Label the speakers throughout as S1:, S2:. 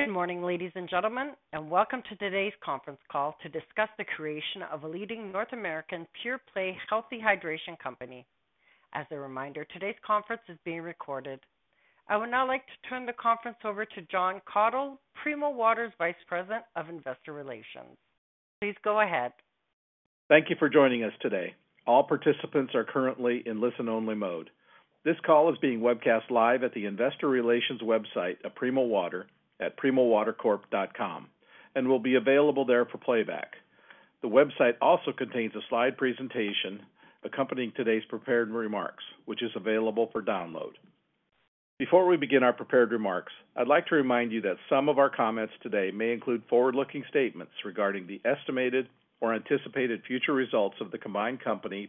S1: Good morning, ladies and gentlemen, and welcome to today's conference call to discuss the creation of a leading North American pure-play healthy hydration company. As a reminder, today's conference is being recorded. I would now like to turn the conference over to Jon Kathol, Primo Water's Vice President of Investor Relations. Please go ahead.
S2: Thank you for joining us today. All participants are currently in listen-only mode. This call is being webcast live at the investor relations website of Primo Water at primowatercorp.com, and will be available there for playback. The website also contains a slide presentation accompanying today's prepared remarks, which is available for download. Before we begin our prepared remarks, I'd like to remind you that some of our comments today may include forward-looking statements regarding the estimated or anticipated future results of the combined company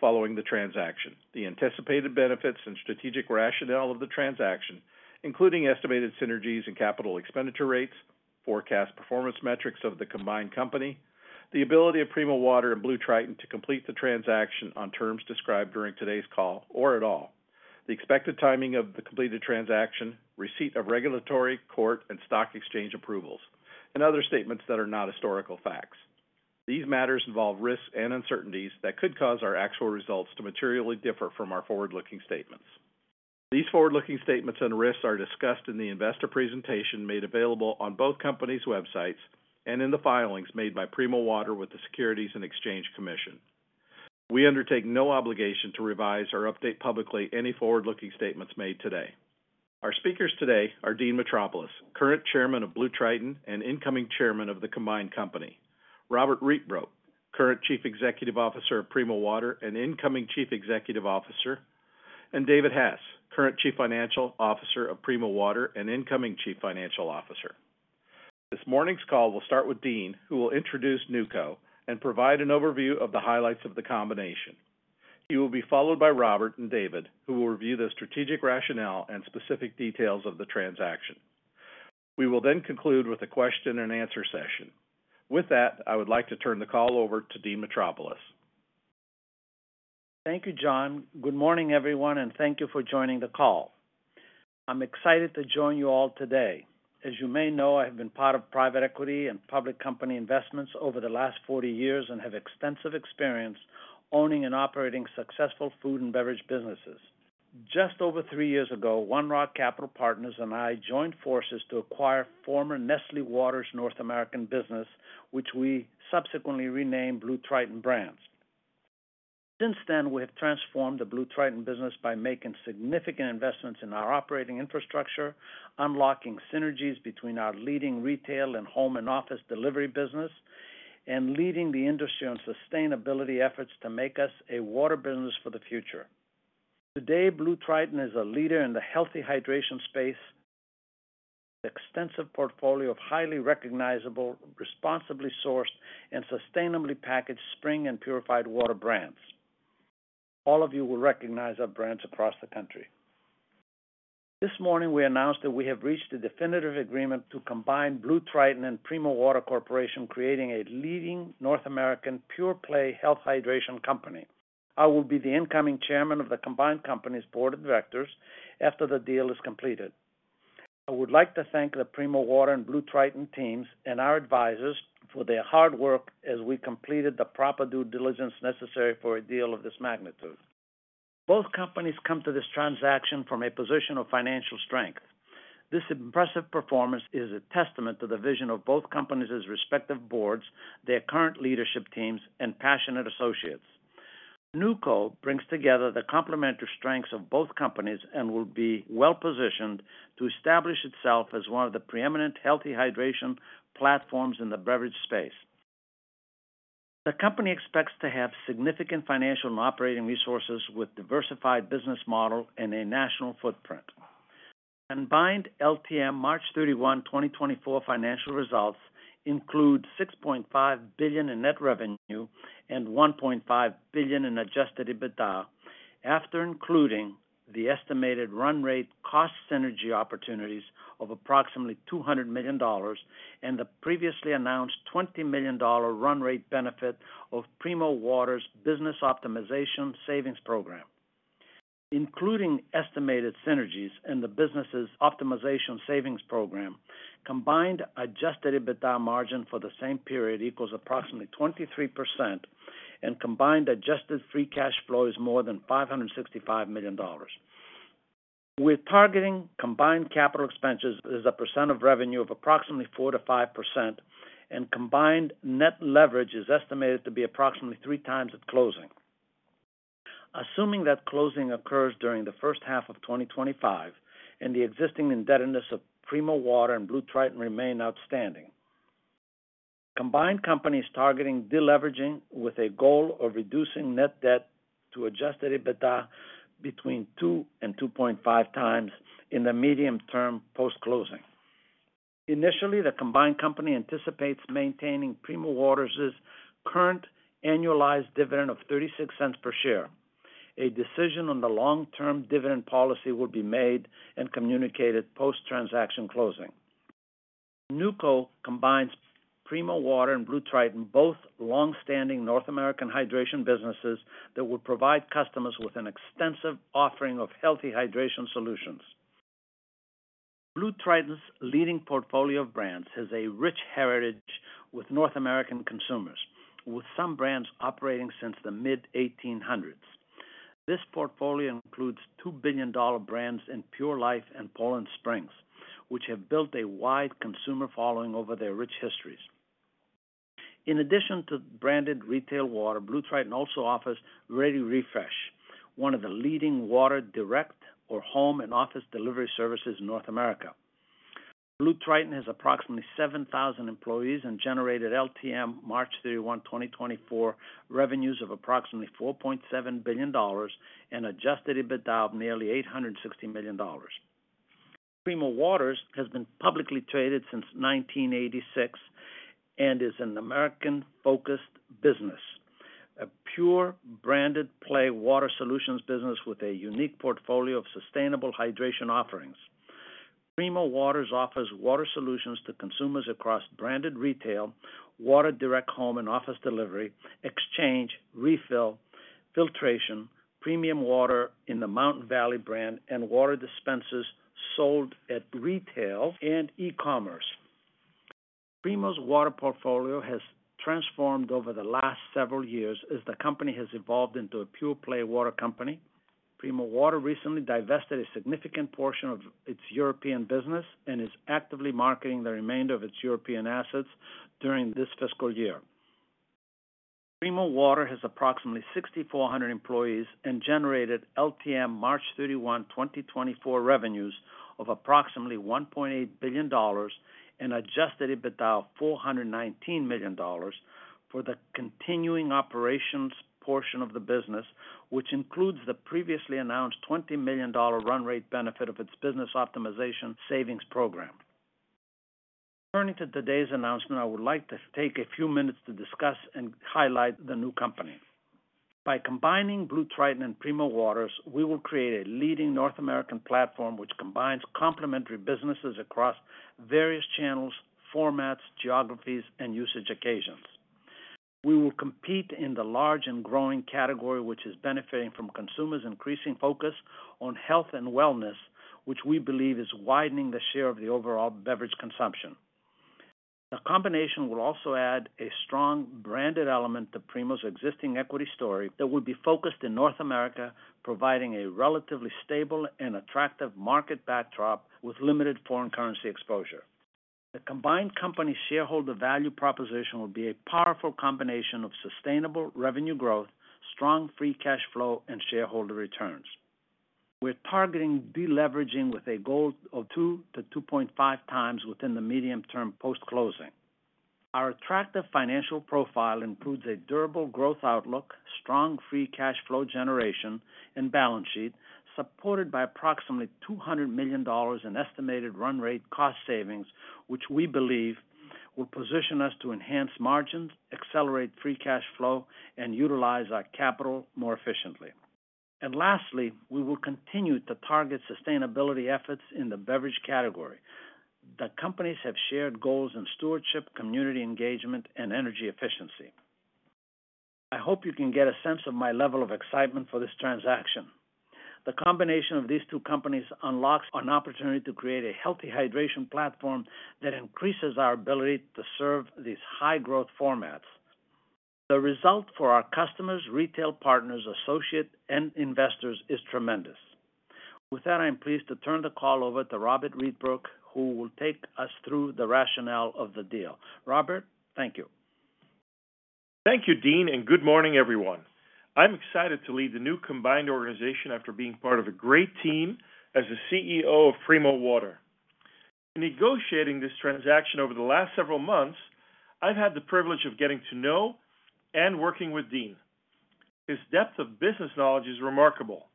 S2: following the transaction, the anticipated benefits and strategic rationale of the transaction, including estimated synergies and capital expenditure rates, forecast performance metrics of the combined company, the ability of Primo Water and BlueTriton to complete the transaction on terms described during today's call or at all, the expected timing of the completed transaction, receipt of regulatory, court, and stock exchange approvals, and other statements that are not historical facts. These matters involve risks and uncertainties that could cause our actual results to materially differ from our forward-looking statements. These forward-looking statements and risks are discussed in the investor presentation made available on both companies' websites and in the filings made by Primo Water with the Securities and Exchange Commission. We undertake no obligation to revise or update publicly any forward-looking statements made today. Our speakers today are Dean Metropoulos, current Chairman of BlueTriton and incoming Chairman of the combined company, Robbert Rietbroek, current Chief Executive Officer of Primo Water and incoming Chief Executive Officer, and David Hass, current Chief Financial Officer of Primo Water and incoming Chief Financial Officer. This morning's call will start with Dean, who will introduce NewCo and provide an overview of the highlights of the combination. He will be followed by Robbert and David, who will review the strategic rationale and specific details of the transaction. We will then conclude with a question-and-answer session. With that, I would like to turn the call over to Dean Metropoulos.
S3: Thank you, John. Good morning, everyone, and thank you for joining the call. I'm excited to join you all today. As you may know, I have been part of private equity and public company investments over the last 40 years and have extensive experience owning and operating successful food and beverage businesses. Just over 3 years ago, One Rock Capital Partners and I joined forces to acquire former Nestlé Waters' North American business, which we subsequently renamed BlueTriton Brands. Since then, we have transformed the BlueTriton business by making significant investments in our operating infrastructure, unlocking synergies between our leading retail and home and office delivery business, and leading the industry on sustainability efforts to make us a water business for the future. Today, BlueTriton is a leader in the healthy hydration space, with an extensive portfolio of highly recognizable, responsibly sourced, and sustainably packaged spring and purified water brands. All of you will recognize our brands across the country. This morning, we announced that we have reached a definitive agreement to combine BlueTriton and Primo Water Corporation, creating a leading North American pure-play healthy hydration company. I will be the incoming chairman of the combined company's board of directors after the deal is completed. I would like to thank the Primo Water and BlueTriton teams and our advisors for their hard work as we completed the proper due diligence necessary for a deal of this magnitude. Both companies come to this transaction from a position of financial strength. This impressive performance is a testament to the vision of both companies' respective boards, their current leadership teams, and passionate associates. NewCo brings together the complementary strengths of both companies and will be well-positioned to establish itself as one of the preeminent healthy hydration platforms in the beverage space. The company expects to have significant financial and operating resources with diversified business model and a national footprint. Combined LTM, March 31, 2024 financial results include $6.5 billion in net revenue and $1.5 billion in adjusted EBITDA, after including the estimated run rate cost synergy opportunities of approximately $200 million and the previously announced $20 million run rate benefit of Primo Water's business optimization savings program. Including estimated synergies and the business's optimization savings program, combined adjusted EBITDA margin for the same period equals approximately 23%, and combined adjusted free cash flow is more than $565 million. We're targeting combined capital expenses as a percent of revenue of approximately 4%-5%, and combined net leverage is estimated to be approximately 3x at closing. Assuming that closing occurs during the first half of 2025, and the existing indebtedness of Primo Water and BlueTriton remain outstanding. Combined companies targeting deleveraging with a goal of reducing net debt to Adjusted EBITDA between 2x and 2.5x in the medium term post-closing. Initially, the combined company anticipates maintaining Primo Water's current annualized dividend of $0.36 per share. A decision on the long-term dividend policy will be made and communicated post-transaction closing. NewCo combines Primo Water and BlueTriton, both long-standing North American hydration businesses that will provide customers with an extensive offering of healthy hydration solutions. BlueTriton's leading portfolio of brands has a rich heritage with North American consumers, with some brands operating since the mid-1800s. This portfolio includes two billion-dollar brands in Pure Life and Poland Spring, which have built a wide consumer following over their rich histories. In addition to branded retail water, BlueTriton also offers ReadyRefresh, one of the leading water direct or home and office delivery services in North America. BlueTriton has approximately 7,000 employees and generated LTM March 31, 2024, revenues of approximately $4.7 billion and adjusted EBITDA of nearly $860 million. Primo Water has been publicly traded since 1986 and is an American-focused business, a pure-play branded water solutions business with a unique portfolio of sustainable hydration offerings. Primo Water offers water solutions to consumers across Branded Retail, Water Direct Home and Office Delivery, Exchange, Refill, Filtration, Premium Water in the Mountain Valley brand, and water dispensers sold at retail and e-commerce. Primo's water portfolio has transformed over the last several years as the company has evolved into a pure play water company. Primo Water recently divested a significant portion of its European business and is actively marketing the remainder of its European assets during this fiscal year. Primo Water has approximately 6,400 employees and generated LTM March 31, 2024, revenues of approximately $1.8 billion and adjusted EBITDA of $419 million for the continuing operations portion of the business, which includes the previously announced $20 million run rate benefit of its business optimization savings program. Turning to today's announcement, I would like to take a few minutes to discuss and highlight the new company. By combining BlueTriton and Primo Water, we will create a leading North American platform, which combines complementary businesses across various channels, formats, geographies, and usage occasions. We will compete in the large and growing category, which is benefiting from consumers' increasing focus on health and wellness, which we believe is widening the share of the overall beverage consumption. The combination will also add a strong branded element to Primo's existing equity story that will be focused in North America, providing a relatively stable and attractive market backdrop with limited foreign currency exposure. The combined company shareholder value proposition will be a powerful combination of sustainable revenue growth, strong free cash flow, and shareholder returns. We're targeting deleveraging with a goal of 2x-2.5x within the medium term post-closing. Our attractive financial profile includes a durable growth outlook, strong free cash flow generation, and balance sheet, supported by approximately $200 million in estimated run rate cost savings, which we believe will position us to enhance margins, accelerate free cash flow, and utilize our capital more efficiently. Lastly, we will continue to target sustainability efforts in the beverage category. The companies have shared goals in stewardship, community engagement, and energy efficiency. I hope you can get a sense of my level of excitement for this transaction. The combination of these two companies unlocks an opportunity to create a healthy hydration platform that increases our ability to serve these high-growth formats. The result for our customers, retail partners, associates, and investors is tremendous. With that, I'm pleased to turn the call over to Robbert Rietbroek, who will take us through the rationale of the deal. Robbert, thank you.
S4: Thank you, Dean, and good morning, everyone. I'm excited to lead the new combined organization after being part of a great team as the CEO of Primo Water. In negotiating this transaction over the last several months, I've had the privilege of getting to know and working with Dean. His depth of business knowledge is remarkable,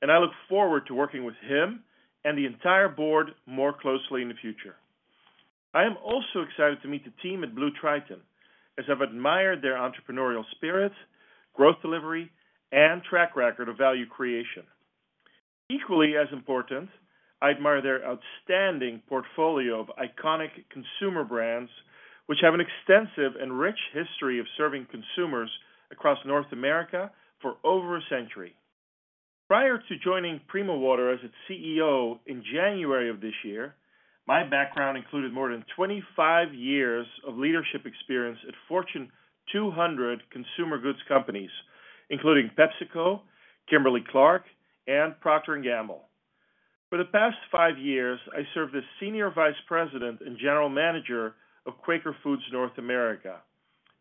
S4: and I look forward to working with him and the entire board more closely in the future. I am also excited to meet the team at BlueTriton, as I've admired their entrepreneurial spirit, growth delivery, and track record of value creation. Equally as important, I admire their outstanding portfolio of iconic consumer brands, which have an extensive and rich history of serving consumers across North America for over a century. Prior to joining Primo Water as its CEO in January of this year, my background included more than 25 years of leadership experience at Fortune 200 consumer goods companies, including PepsiCo, Kimberly-Clark, and Procter & Gamble. For the past five years, I served as Senior Vice President and General Manager of Quaker Foods North America,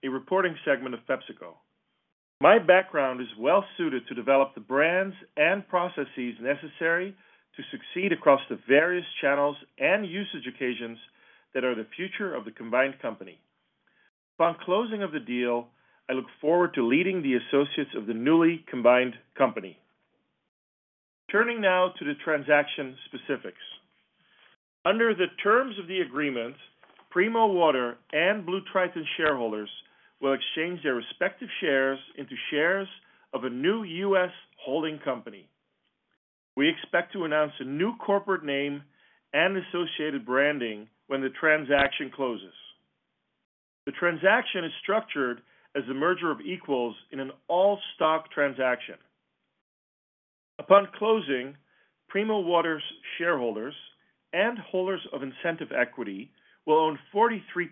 S4: a reporting segment of PepsiCo. My background is well suited to develop the brands and processes necessary to succeed across the various channels and usage occasions that are the future of the combined company. Upon closing of the deal, I look forward to leading the associates of the newly combined company. Turning now to the transaction specifics. Under the terms of the agreement, Primo Water and BlueTriton shareholders will exchange their respective shares into shares of a new U.S. holding company. We expect to announce a new corporate name and associated branding when the transaction closes. The transaction is structured as a merger of equals in an all-stock transaction. Upon closing, Primo Water's shareholders and holders of incentive equity will own 43%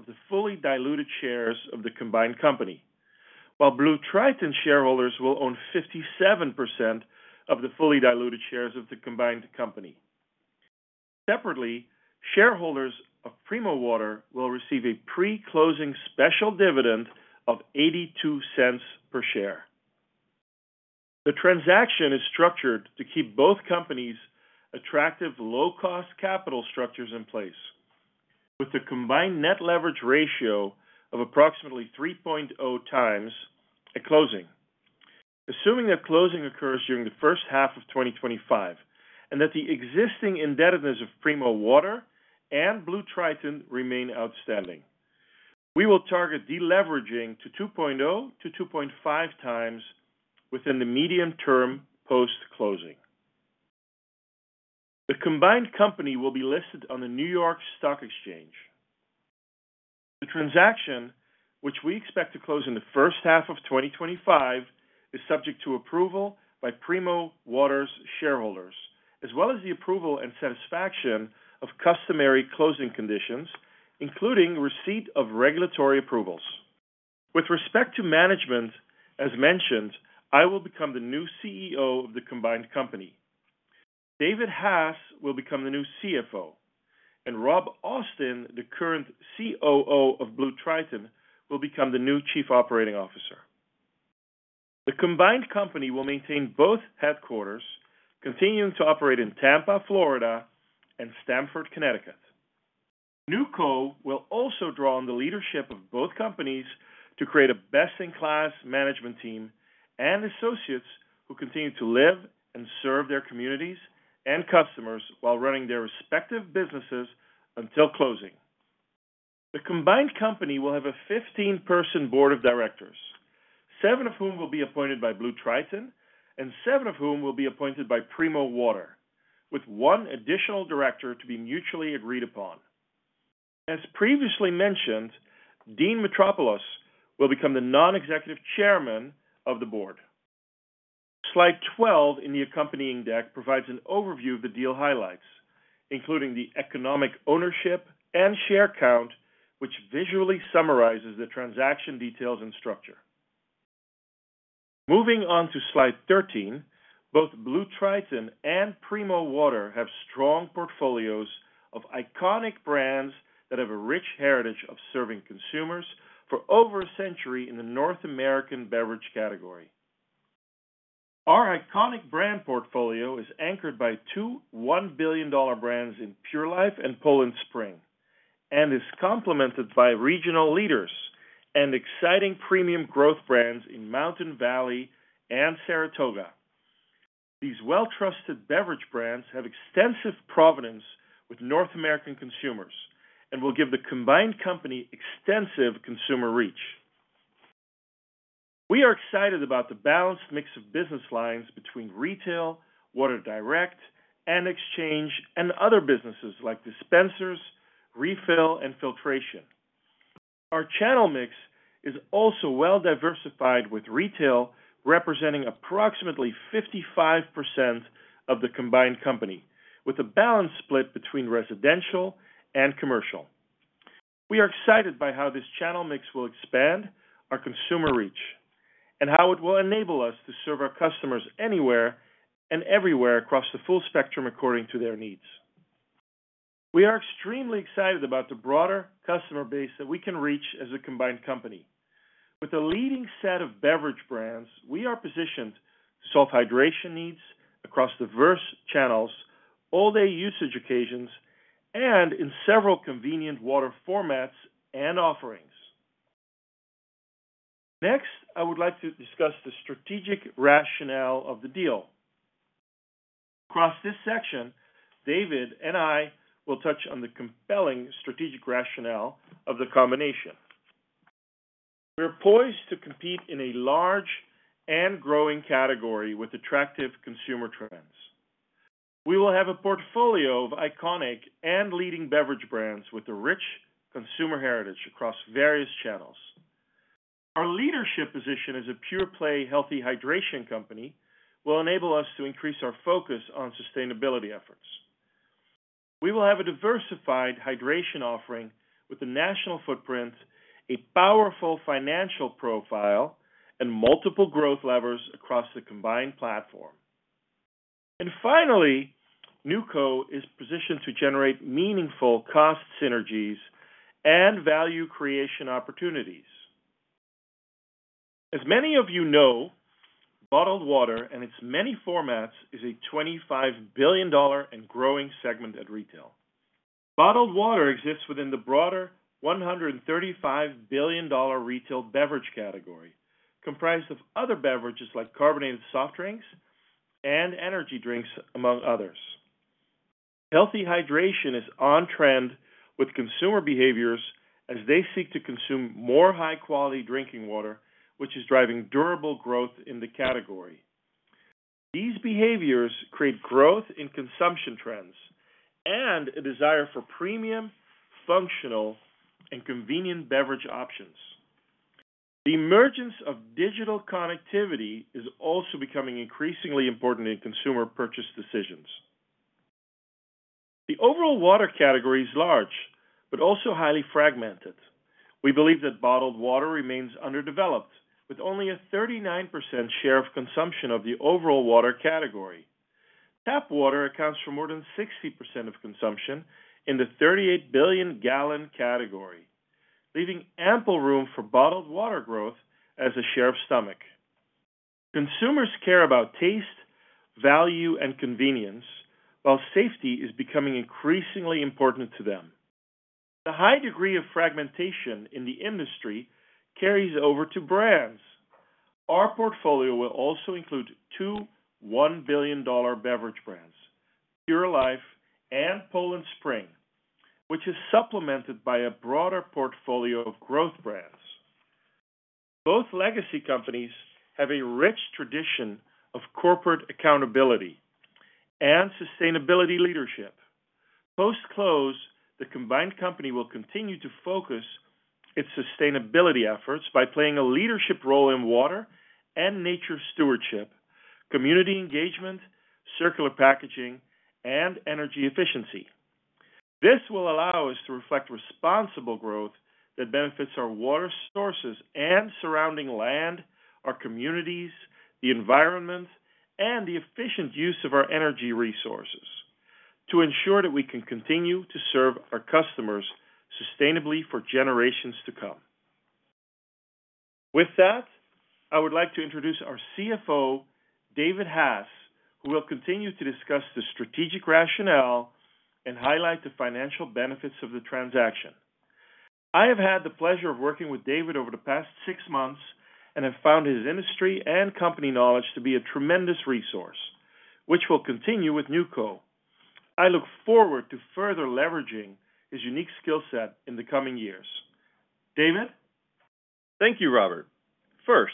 S4: of the fully diluted shares of the combined company, while BlueTriton shareholders will own 57% of the fully diluted shares of the combined company. Separately, shareholders of Primo Water will receive a pre-closing special dividend of $0.82 per share. The transaction is structured to keep both companies' attractive low-cost capital structures in place, with the combined net leverage ratio of approximately 3.0x at closing. Assuming that closing occurs during the first half of 2025, and that the existing indebtedness of Primo Water and BlueTriton remain outstanding, we will target deleveraging to 2.0x-2.5x within the medium term post-closing. The combined company will be listed on the New York Stock Exchange. The transaction, which we expect to close in the first half of 2025, is subject to approval by Primo Water's shareholders, as well as the approval and satisfaction of customary closing conditions, including receipt of regulatory approvals. With respect to management, as mentioned, I will become the new CEO of the combined company. David Hass will become the new CFO, and Rob Austin, the current COO of BlueTriton, will become the new chief operating officer. The combined company will maintain both headquarters, continuing to operate in Tampa, Florida, and Stamford, Connecticut. NewCo will also draw on the leadership of both companies to create a best-in-class management team and associates who continue to live and serve their communities and customers while running their respective businesses until closing. The combined company will have a 15-person board of directors, 7 of whom will be appointed by BlueTriton, and 7 of whom will be appointed by Primo Water, with 1 additional director to be mutually agreed upon. As previously mentioned, Dean Metropoulos will become the non-executive chairman of the board. Slide 12 in the accompanying deck provides an overview of the deal highlights, including the economic ownership and share count, which visually summarizes the transaction details and structure. Moving on to slide 13, both BlueTriton and Primo Water have strong portfolios of iconic brands that have a rich heritage of serving consumers for over a century in the North American beverage category. Our iconic brand portfolio is anchored by two $1 billion brands in Pure Life and Poland Spring, and is complemented by regional leaders and exciting premium growth brands in Mountain Valley and Saratoga. These well-trusted beverage brands have extensive provenance with North American consumers and will give the combined company extensive consumer reach. We are excited about the balanced mix of business lines between retail, Water Direct, and Exchange, and other businesses like dispensers, Refill, and Filtration. Our channel mix is also well-diversified, with retail representing approximately 55% of the combined company, with a balanced split between residential and commercial. We are excited by how this channel mix will expand our consumer reach, and how it will enable us to serve our customers anywhere and everywhere across the full spectrum according to their needs. We are extremely excited about the broader customer base that we can reach as a combined company. With a leading set of beverage brands, we are positioned to solve hydration needs across diverse channels, all-day usage occasions, and in several convenient water formats and offerings. Next, I would like to discuss the strategic rationale of the deal. Across this section, David and I will touch on the compelling strategic rationale of the combination. We're poised to compete in a large and growing category with attractive consumer trends. We will have a portfolio of iconic and leading beverage brands with a rich consumer heritage across various channels. Our leadership position as a pure-play, healthy hydration company will enable us to increase our focus on sustainability efforts. We will have a diversified hydration offering with a national footprint, a powerful financial profile, and multiple growth levers across the combined platform. And finally, NewCo is positioned to generate meaningful cost synergies and value creation opportunities. As many of you know, bottled water, in its many formats, is a $25 billion and growing segment at retail. Bottled water exists within the broader $135 billion retail beverage category, comprised of other beverages like carbonated soft drinks and energy drinks, among others.... Healthy hydration is on trend with consumer behaviors as they seek to consume more high-quality drinking water, which is driving durable growth in the category. These behaviors create growth in consumption trends and a desire for premium, functional, and convenient beverage options. The emergence of digital connectivity is also becoming increasingly important in consumer purchase decisions. The overall water category is large, but also highly fragmented. We believe that bottled water remains underdeveloped, with only a 39% share of consumption of the overall water category. Tap water accounts for more than 60% of consumption in the 38 billion-gallon category, leaving ample room for bottled water growth as a share of stomach. Consumers care about taste, value, and convenience, while safety is becoming increasingly important to them. The high degree of fragmentation in the industry carries over to brands. Our portfolio will also include two $1 billion beverage brands, Pure Life and Poland Spring, which is supplemented by a broader portfolio of growth brands. Both legacy companies have a rich tradition of corporate accountability and sustainability leadership. Post-close, the combined company will continue to focus its sustainability efforts by playing a leadership role in water and nature stewardship, community engagement, circular packaging, and energy efficiency. This will allow us to reflect responsible growth that benefits our water sources and surrounding land, our communities, the environment, and the efficient use of our energy resources to ensure that we can continue to serve our customers sustainably for generations to come. With that, I would like to introduce our CFO, David Hass, who will continue to discuss the strategic rationale and highlight the financial benefits of the transaction. I have had the pleasure of working with David over the past six months and have found his industry and company knowledge to be a tremendous resource, which will continue with NewCo. I look forward to further leveraging his unique skill set in the coming years. David?
S5: Thank you, Robbert. First,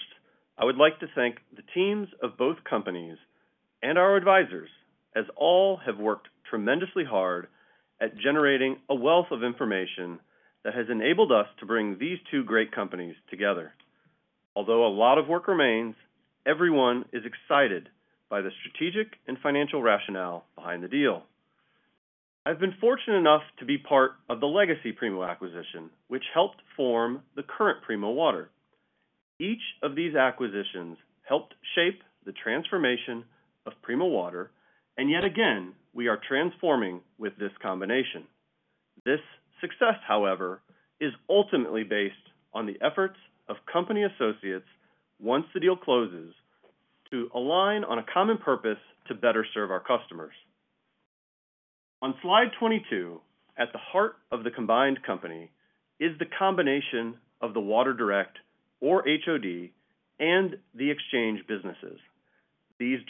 S5: I would like to thank the teams of both companies and our advisors, as all have worked tremendously hard at generating a wealth of information that has enabled us to bring these two great companies together. Although a lot of work remains, everyone is excited by the strategic and financial rationale behind the deal. I've been fortunate enough to be part of the legacy Primo acquisition, which helped form the current Primo Water. Each of these acquisitions helped shape the transformation of Primo Water, and yet again, we are transforming with this combination. This success, however, is ultimately based on the efforts of company associates once the deal closes, to align on a common purpose to better serve our customers. On slide 22, at the heart of the combined company is the combination of the Water Direct, or HOD, and the exchange businesses. These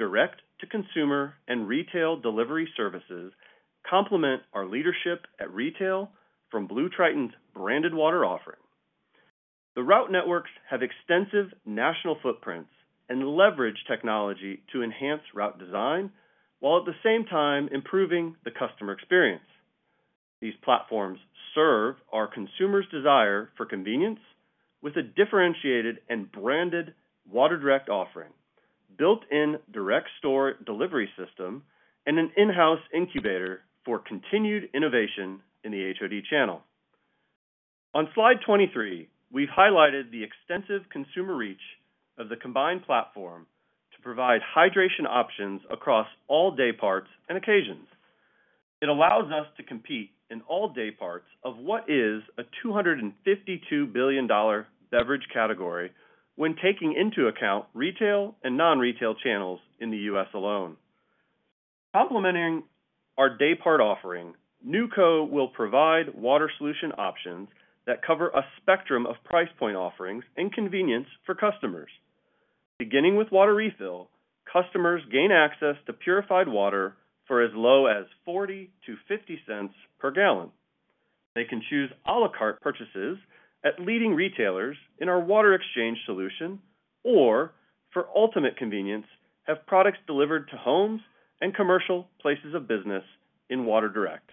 S5: direct-to-consumer and retail delivery services complement our leadership at retail from BlueTriton’s branded water offering. The route networks have extensive national footprints and leverage technology to enhance route design, while at the same time improving the customer experience. These platforms serve our consumers' desire for convenience with a differentiated and branded water direct offering, built-in direct store delivery system, and an in-house incubator for continued innovation in the HOD channel. On slide 23, we've highlighted the extensive consumer reach of the combined platform to provide hydration options across all day parts and occasions. It allows us to compete in all day parts of what is a $252 billion beverage category when taking into account retail and non-retail channels in the U.S. alone. Complementing our day part offering, NewCo will provide water solution options that cover a spectrum of price point offerings and convenience for customers. Beginning with Water Refill, customers gain access to purified water for as low as $0.40-$0.50 per gallon. They can choose à la carte purchases at leading retailers in our Water Exchange solution, or for ultimate convenience, have products delivered to homes and commercial places of business in Water Direct.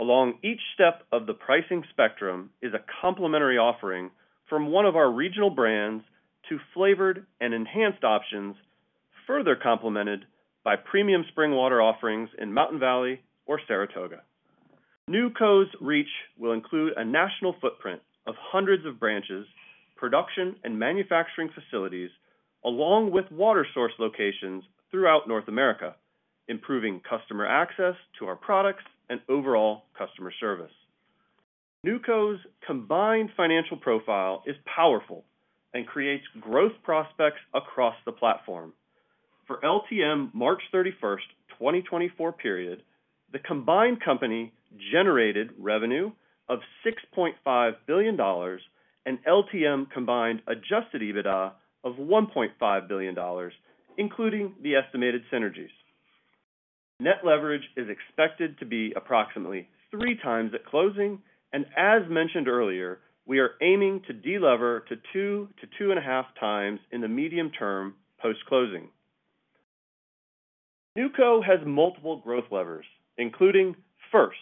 S5: Along each step of the pricing spectrum is a complimentary offering from one of our regional brands to flavored and enhanced options, further complemented by premium spring water offerings in Mountain Valley or Saratoga. NewCo's reach will include a national footprint of hundreds of branches, production, and manufacturing facilities, along with water source locations throughout North America, improving customer access to our products and overall customer service. NewCo's combined financial profile is powerful and creates growth prospects across the platform. For LTM, March 31, 2024 period, the combined company generated revenue of $6.5 billion, and LTM combined Adjusted EBITDA of $1.5 billion, including the estimated synergies. Net leverage is expected to be approximately 3x at closing, and as mentioned earlier, we are aiming to delever to 2x-2.5x in the medium term post-closing. NewCo has multiple growth levers, including, first,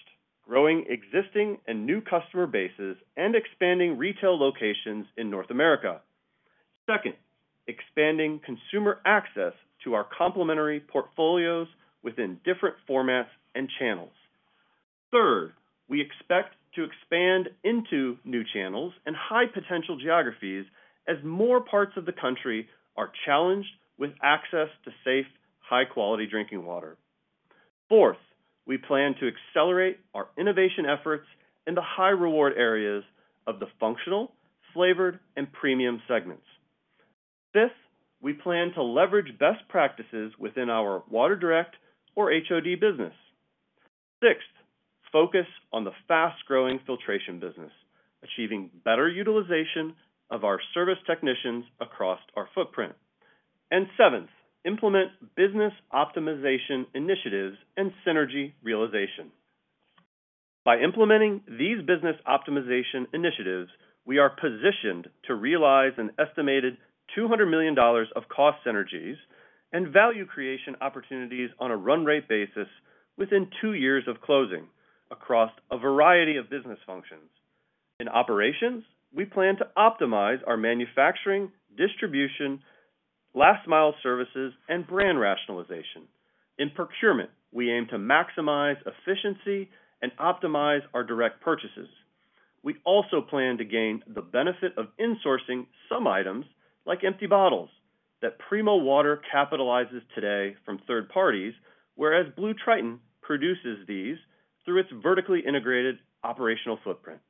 S5: growing existing and new customer bases and expanding retail locations in North America. Second, expanding consumer access to our complementary portfolios within different formats and channels. Third, we expect to expand into new channels and high potential geographies as more parts of the country are challenged with access to safe, high-quality drinking water. Fourth, we plan to accelerate our innovation efforts in the high reward areas of the functional, flavored, and premium segments. Fifth, we plan to leverage best practices within our water direct or HOD business. Sixth, focus on the fast-growing filtration business, achieving better utilization of our service technicians across our footprint. And seventh, implement business optimization initiatives and synergy realization. By implementing these business optimization initiatives, we are positioned to realize an estimated $200 million of cost synergies and value creation opportunities on a run rate basis within two years of closing, across a variety of business functions. In operations, we plan to optimize our manufacturing, distribution, last mile services, and brand rationalization. In procurement, we aim to maximize efficiency and optimize our direct purchases. We also plan to gain the benefit of insourcing some items, like empty bottles, that Primo Water capitalizes today from third parties, whereas BlueTriton produces these through its vertically integrated operational footprint.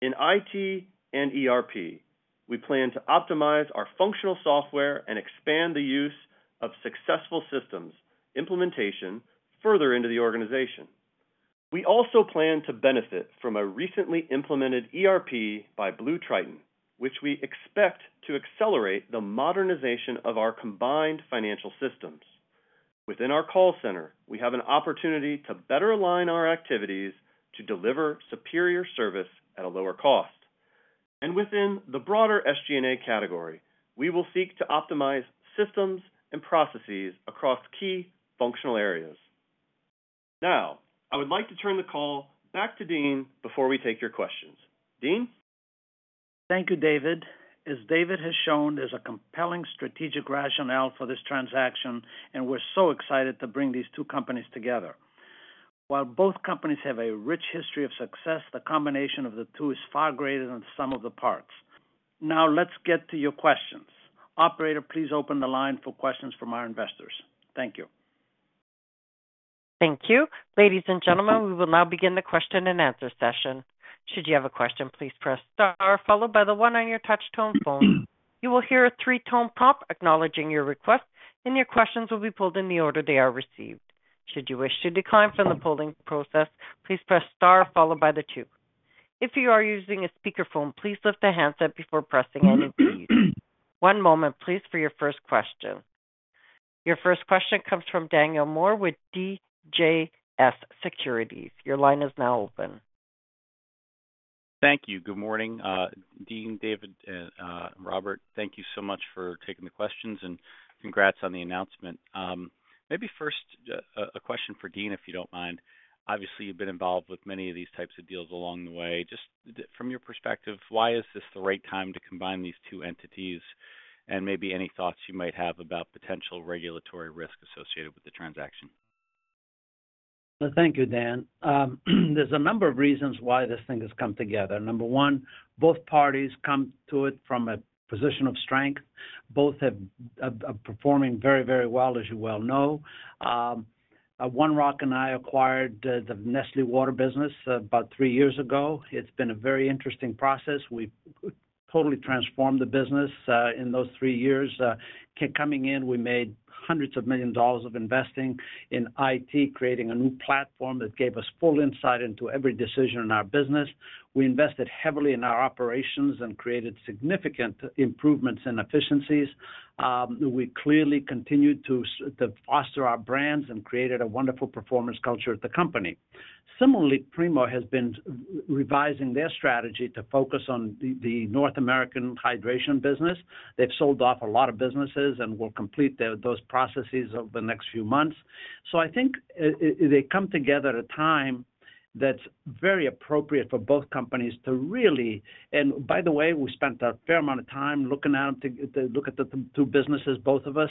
S5: In IT and ERP, we plan to optimize our functional software and expand the use of successful systems implementation further into the organization. We also plan to benefit from a recently implemented ERP by BlueTriton, which we expect to accelerate the modernization of our combined financial systems. Within our call center, we have an opportunity to better align our activities to deliver superior service at a lower cost. Within the broader SG&A category, we will seek to optimize systems and processes across key functional areas. Now, I would like to turn the call back to Dean before we take your questions. Dean?
S3: Thank you, David. As David has shown, there's a compelling strategic rationale for this transaction, and we're so excited to bring these two companies together. While both companies have a rich history of success, the combination of the two is far greater than the sum of the parts. Now let's get to your questions. Operator, please open the line for questions from our investors. Thank you.
S1: Thank you. Ladies and gentlemen, we will now begin the question-and-answer session. Should you have a question, please press star followed by the one on your touch-tone phone. You will hear a three-tone prompt acknowledging your request, and your questions will be pulled in the order they are received. Should you wish to decline from the polling process, please press star followed by the two. If you are using a speakerphone, please lift the handset before pressing any keys. One moment, please, for your first question. Your first question comes from Dan Moore with CJS Securities. Your line is now open.
S6: Thank you. Good morning, Dean, David, and Robbert. Thank you so much for taking the questions, and congrats on the announcement. Maybe first, a question for Dean, if you don't mind. Obviously, you've been involved with many of these types of deals along the way. Just from your perspective, why is this the right time to combine these two entities? And maybe any thoughts you might have about potential regulatory risk associated with the transaction.
S3: Well, thank you, Dan. There's a number of reasons why this thing has come together. Number one, both parties come to it from a position of strength. Both are performing very, very well, as you well know. One Rock and I acquired the Nestlé Waters business about three years ago. It's been a very interesting process. We've totally transformed the business in those three years. Coming in, we made hundreds of millions of dollars of investing in IT, creating a new platform that gave us full insight into every decision in our business. We invested heavily in our operations and created significant improvements and efficiencies. We clearly continued to foster our brands and created a wonderful performance culture at the company. Similarly, Primo has been revising their strategy to focus on the North American hydration business. They've sold off a lot of businesses and will complete those processes over the next few months. So I think they come together at a time that's very appropriate for both companies to really... And by the way, we spent a fair amount of time looking out to look at the two businesses, both of us,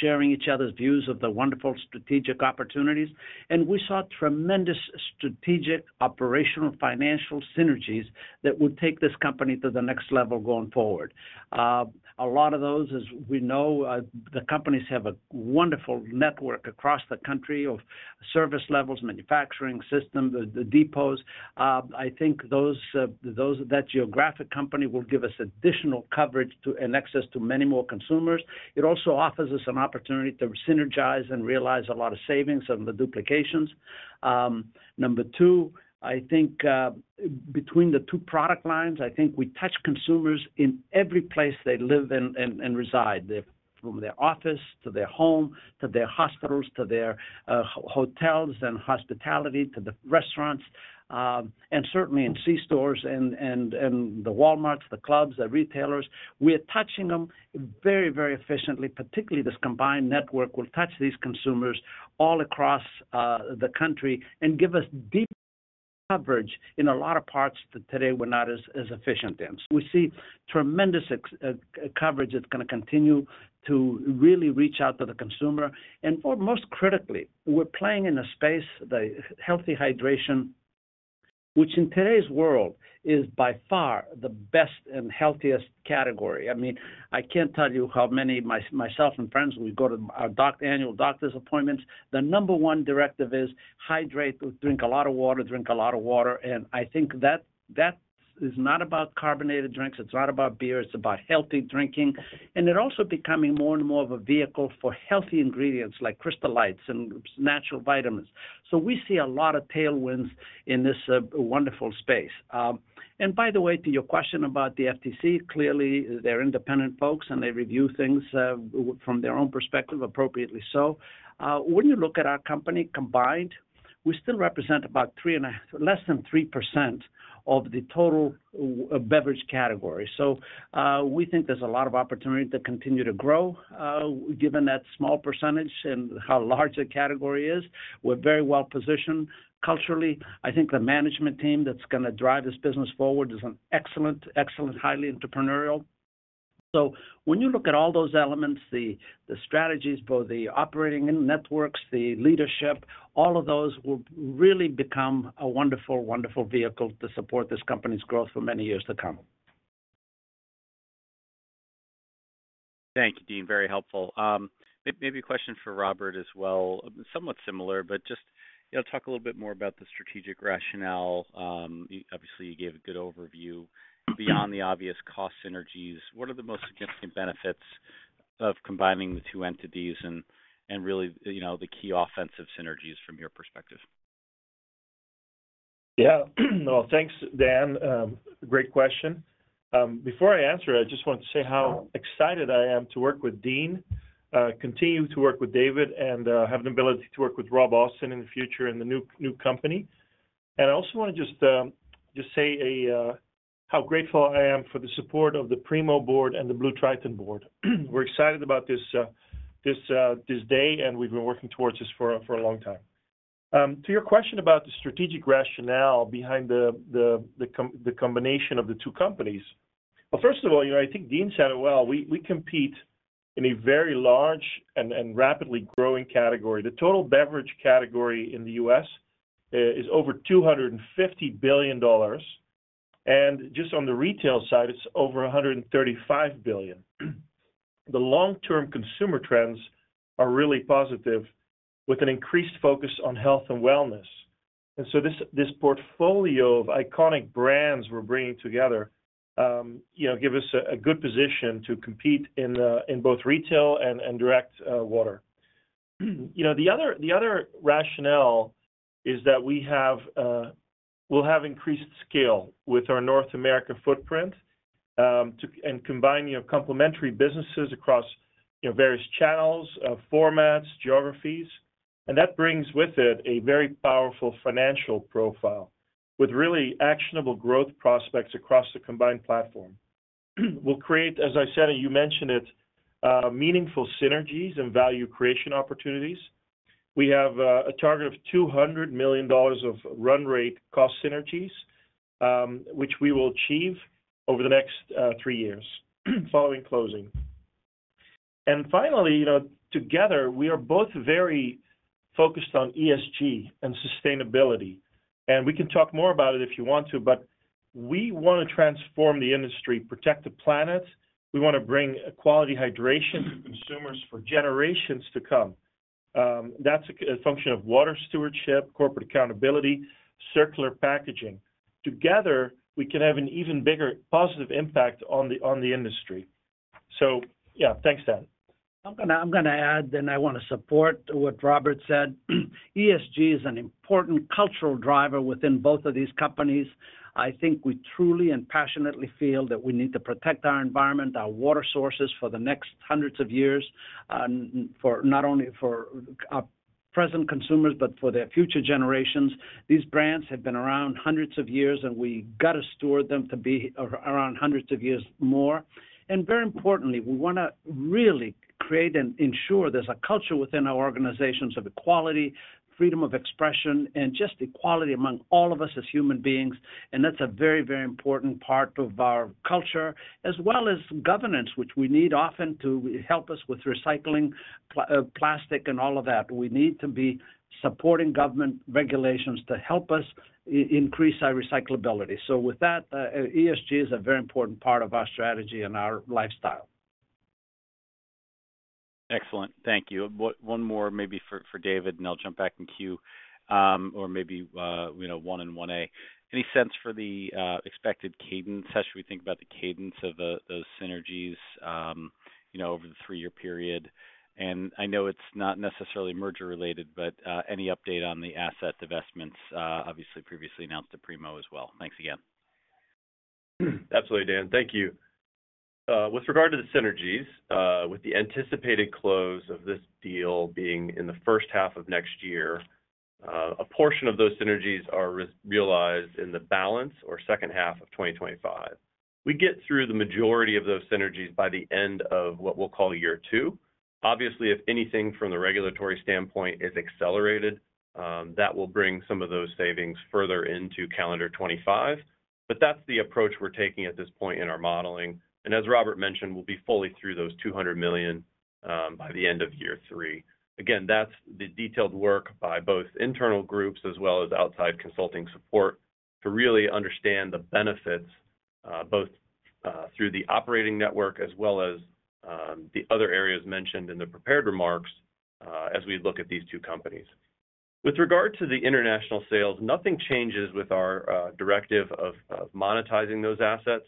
S3: sharing each other's views of the wonderful strategic opportunities. And we saw tremendous strategic, operational, financial synergies that will take this company to the next level going forward. A lot of those, as we know, the companies have a wonderful network across the country of service levels, manufacturing systems, the depots. I think that geographic company will give us additional coverage to, and access to many more consumers. It also offers us an opportunity to synergize and realize a lot of savings on the duplications. Number two, I think, between the two product lines, I think we touch consumers in every place they live and reside. There, from their office to their home, to their hospitals, to their hotels and hospitality, to the restaurants, and certainly in C stores and the Walmarts, the clubs, the retailers. We are touching them very, very efficiently, particularly this combined network will touch these consumers all across the country and give us deep coverage in a lot of parts that today we're not as efficient in. So we see tremendous extra coverage that's gonna continue to really reach out to the consumer. And most critically, we're playing in a space, the healthy hydration, which in today's world is by far the best and healthiest category. I mean, I can't tell you how many myself and friends, we go to our annual doctor's appointments. The number one directive is hydrate, drink a lot of water, drink a lot of water, and I think that is not about carbonated drinks, it's not about beer, it's about healthy drinking. And it also becoming more and more of a vehicle for healthy ingredients like electrolytes and natural vitamins. So we see a lot of tailwinds in this wonderful space. And by the way, to your question about the FTC, clearly, they're independent folks, and they review things from their own perspective, appropriately so. When you look at our company combined, we still represent about 3.5%, less than 3% of the total beverage category. So, we think there's a lot of opportunity to continue to grow, given that small percentage and how large the category is. We're very well positioned culturally. I think the management team that's gonna drive this business forward is an excellent, excellent, highly entrepreneurial. So when you look at all those elements, the strategies, both the operating and networks, the leadership, all of those will really become a wonderful, wonderful vehicle to support this company's growth for many years to come.
S6: Thank you, Dean. Very helpful. Maybe a question for Robert as well. Somewhat similar, but just, you know, talk a little bit more about the strategic rationale. Obviously, you gave a good overview. Beyond the obvious cost synergies, what are the most significant benefits of combining the two entities and, and really, you know, the key offensive synergies from your perspective?
S4: Yeah. Well, thanks, Dan. Great question. Before I answer it, I just want to say how excited I am to work with Dean, continue to work with David, and have the ability to work with Rob Austin in the future in the new company. And I also wanna just say how grateful I am for the support of the Primo board and the BlueTriton board. We're excited about this day, and we've been working towards this for a long time. To your question about the strategic rationale behind the combination of the two companies. Well, first of all, you know, I think Dean said it well. We compete in a very large and rapidly growing category. The total beverage category in the U.S. is over $250 billion, and just on the retail side, it's over $135 billion. The long-term consumer trends are really positive, with an increased focus on health and wellness. And so this, this portfolio of iconic brands we're bringing together, you know, give us a good position to compete in both retail and direct water. You know, the other, the other rationale is that we have, we'll have increased scale with our North America footprint and combining of complementary businesses across, you know, various channels, formats, geographies. And that brings with it a very powerful financial profile, with really actionable growth prospects across the combined platform. We'll create, as I said, and you mentioned it, meaningful synergies and value creation opportunities. We have a target of $200 million of run rate cost synergies, which we will achieve over the next three years, following closing. And finally, you know, together, we are both very focused on ESG and sustainability, and we can talk more about it if you want to, but we want to transform the industry, protect the planet. We want to bring quality hydration to consumers for generations to come. That's a function of water stewardship, corporate accountability, circular packaging. Together, we can have an even bigger positive impact on the industry. So yeah, thanks, Dan.
S3: I'm gonna add, and I want to support what Robbert said. ESG is an important cultural driver within both of these companies. I think we truly and passionately feel that we need to protect our environment, our water sources, for the next hundreds of years, for not only present consumers, but for their future generations. These brands have been around hundreds of years, and we got to steward them to be around hundreds of years more. And very importantly, we wanna really create and ensure there's a culture within our organizations of equality, freedom of expression, and just equality among all of us as human beings. And that's a very, very important part of our culture, as well as governance, which we need often to help us with recycling plastic and all of that. We need to be supporting government regulations to help us increase our recyclability. So with that, ESG is a very important part of our strategy and our lifestyle....
S6: Excellent. Thank you. One more maybe for David, and I'll jump back in queue, or maybe, you know, one and one A. Any sense for the expected cadence? How should we think about the cadence of those synergies, you know, over the three-year period? And I know it's not necessarily merger-related, but any update on the asset divestments, obviously previously announced to Primo as well. Thanks again.
S5: Absolutely, Dan. Thank you. With regard to the synergies, with the anticipated close of this deal being in the first half of next year, a portion of those synergies are re-realized in the balance or second half of 2025. We get through the majority of those synergies by the end of what we'll call year two. Obviously, if anything from the regulatory standpoint is accelerated, that will bring some of those savings further into calendar 2025. But that's the approach we're taking at this point in our modeling. And as Robert mentioned, we'll be fully through those $200 million, by the end of year three. Again, that's the detailed work by both internal groups as well as outside consulting support to really understand the benefits, both, through the operating network as well as the other areas mentioned in the prepared remarks, as we look at these two companies. With regard to the international sales, nothing changes with our directive of monetizing those assets.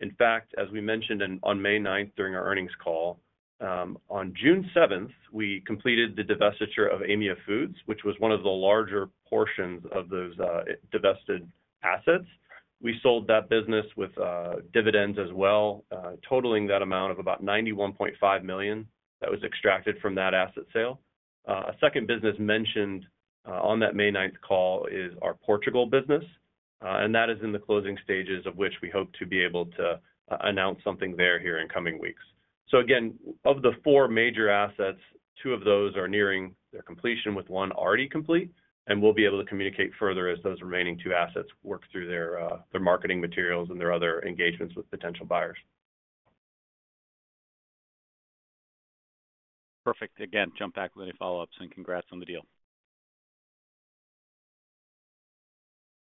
S5: In fact, as we mentioned in on May ninth, during our earnings call, on June seventh, we completed the divestiture of Aimia Foods, which was one of the larger portions of those divested assets. We sold that business with dividends as well, totaling that amount of about $91.5 million that was extracted from that asset sale. A second business mentioned on that May ninth call is our Portugal business, and that is in the closing stages of which we hope to be able to announce something there here in coming weeks. So again, of the four major assets, two of those are nearing their completion, with one already complete, and we'll be able to communicate further as those remaining two assets work through their their marketing materials and their other engagements with potential buyers.
S6: Perfect. Again, jump back with any follow-ups and congrats on the deal.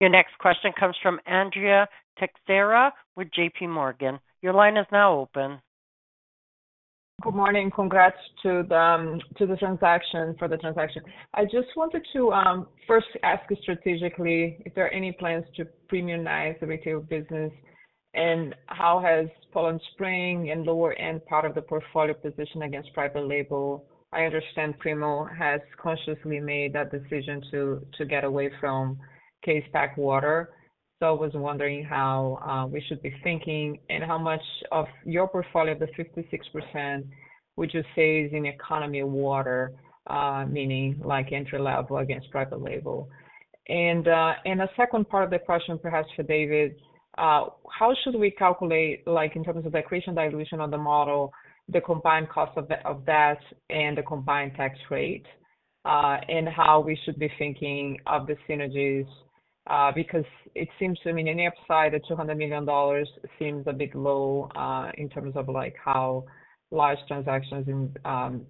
S1: Your next question comes from Andrea Teixeira with JPMorgan. Your line is now open.
S7: Good morning. Congrats to the transaction, for the transaction. I just wanted to first ask strategically, if there are any plans to premiumize the retail business, and how has Poland Spring and lower end part of the portfolio position against private label? I understand Primo has consciously made that decision to get away from case pack water. So I was wondering how we should be thinking and how much of your portfolio, the 56%, would you say, is in economy water, meaning like entry-level against private label? And a second part of the question, perhaps for David, how should we calculate, like, in terms of the accretion dilution on the model, the combined cost of debt and the combined tax rate, and how we should be thinking of the synergies? Because it seems to me, in any upside, the $200 million seems a bit low, in terms of like how large transactions in,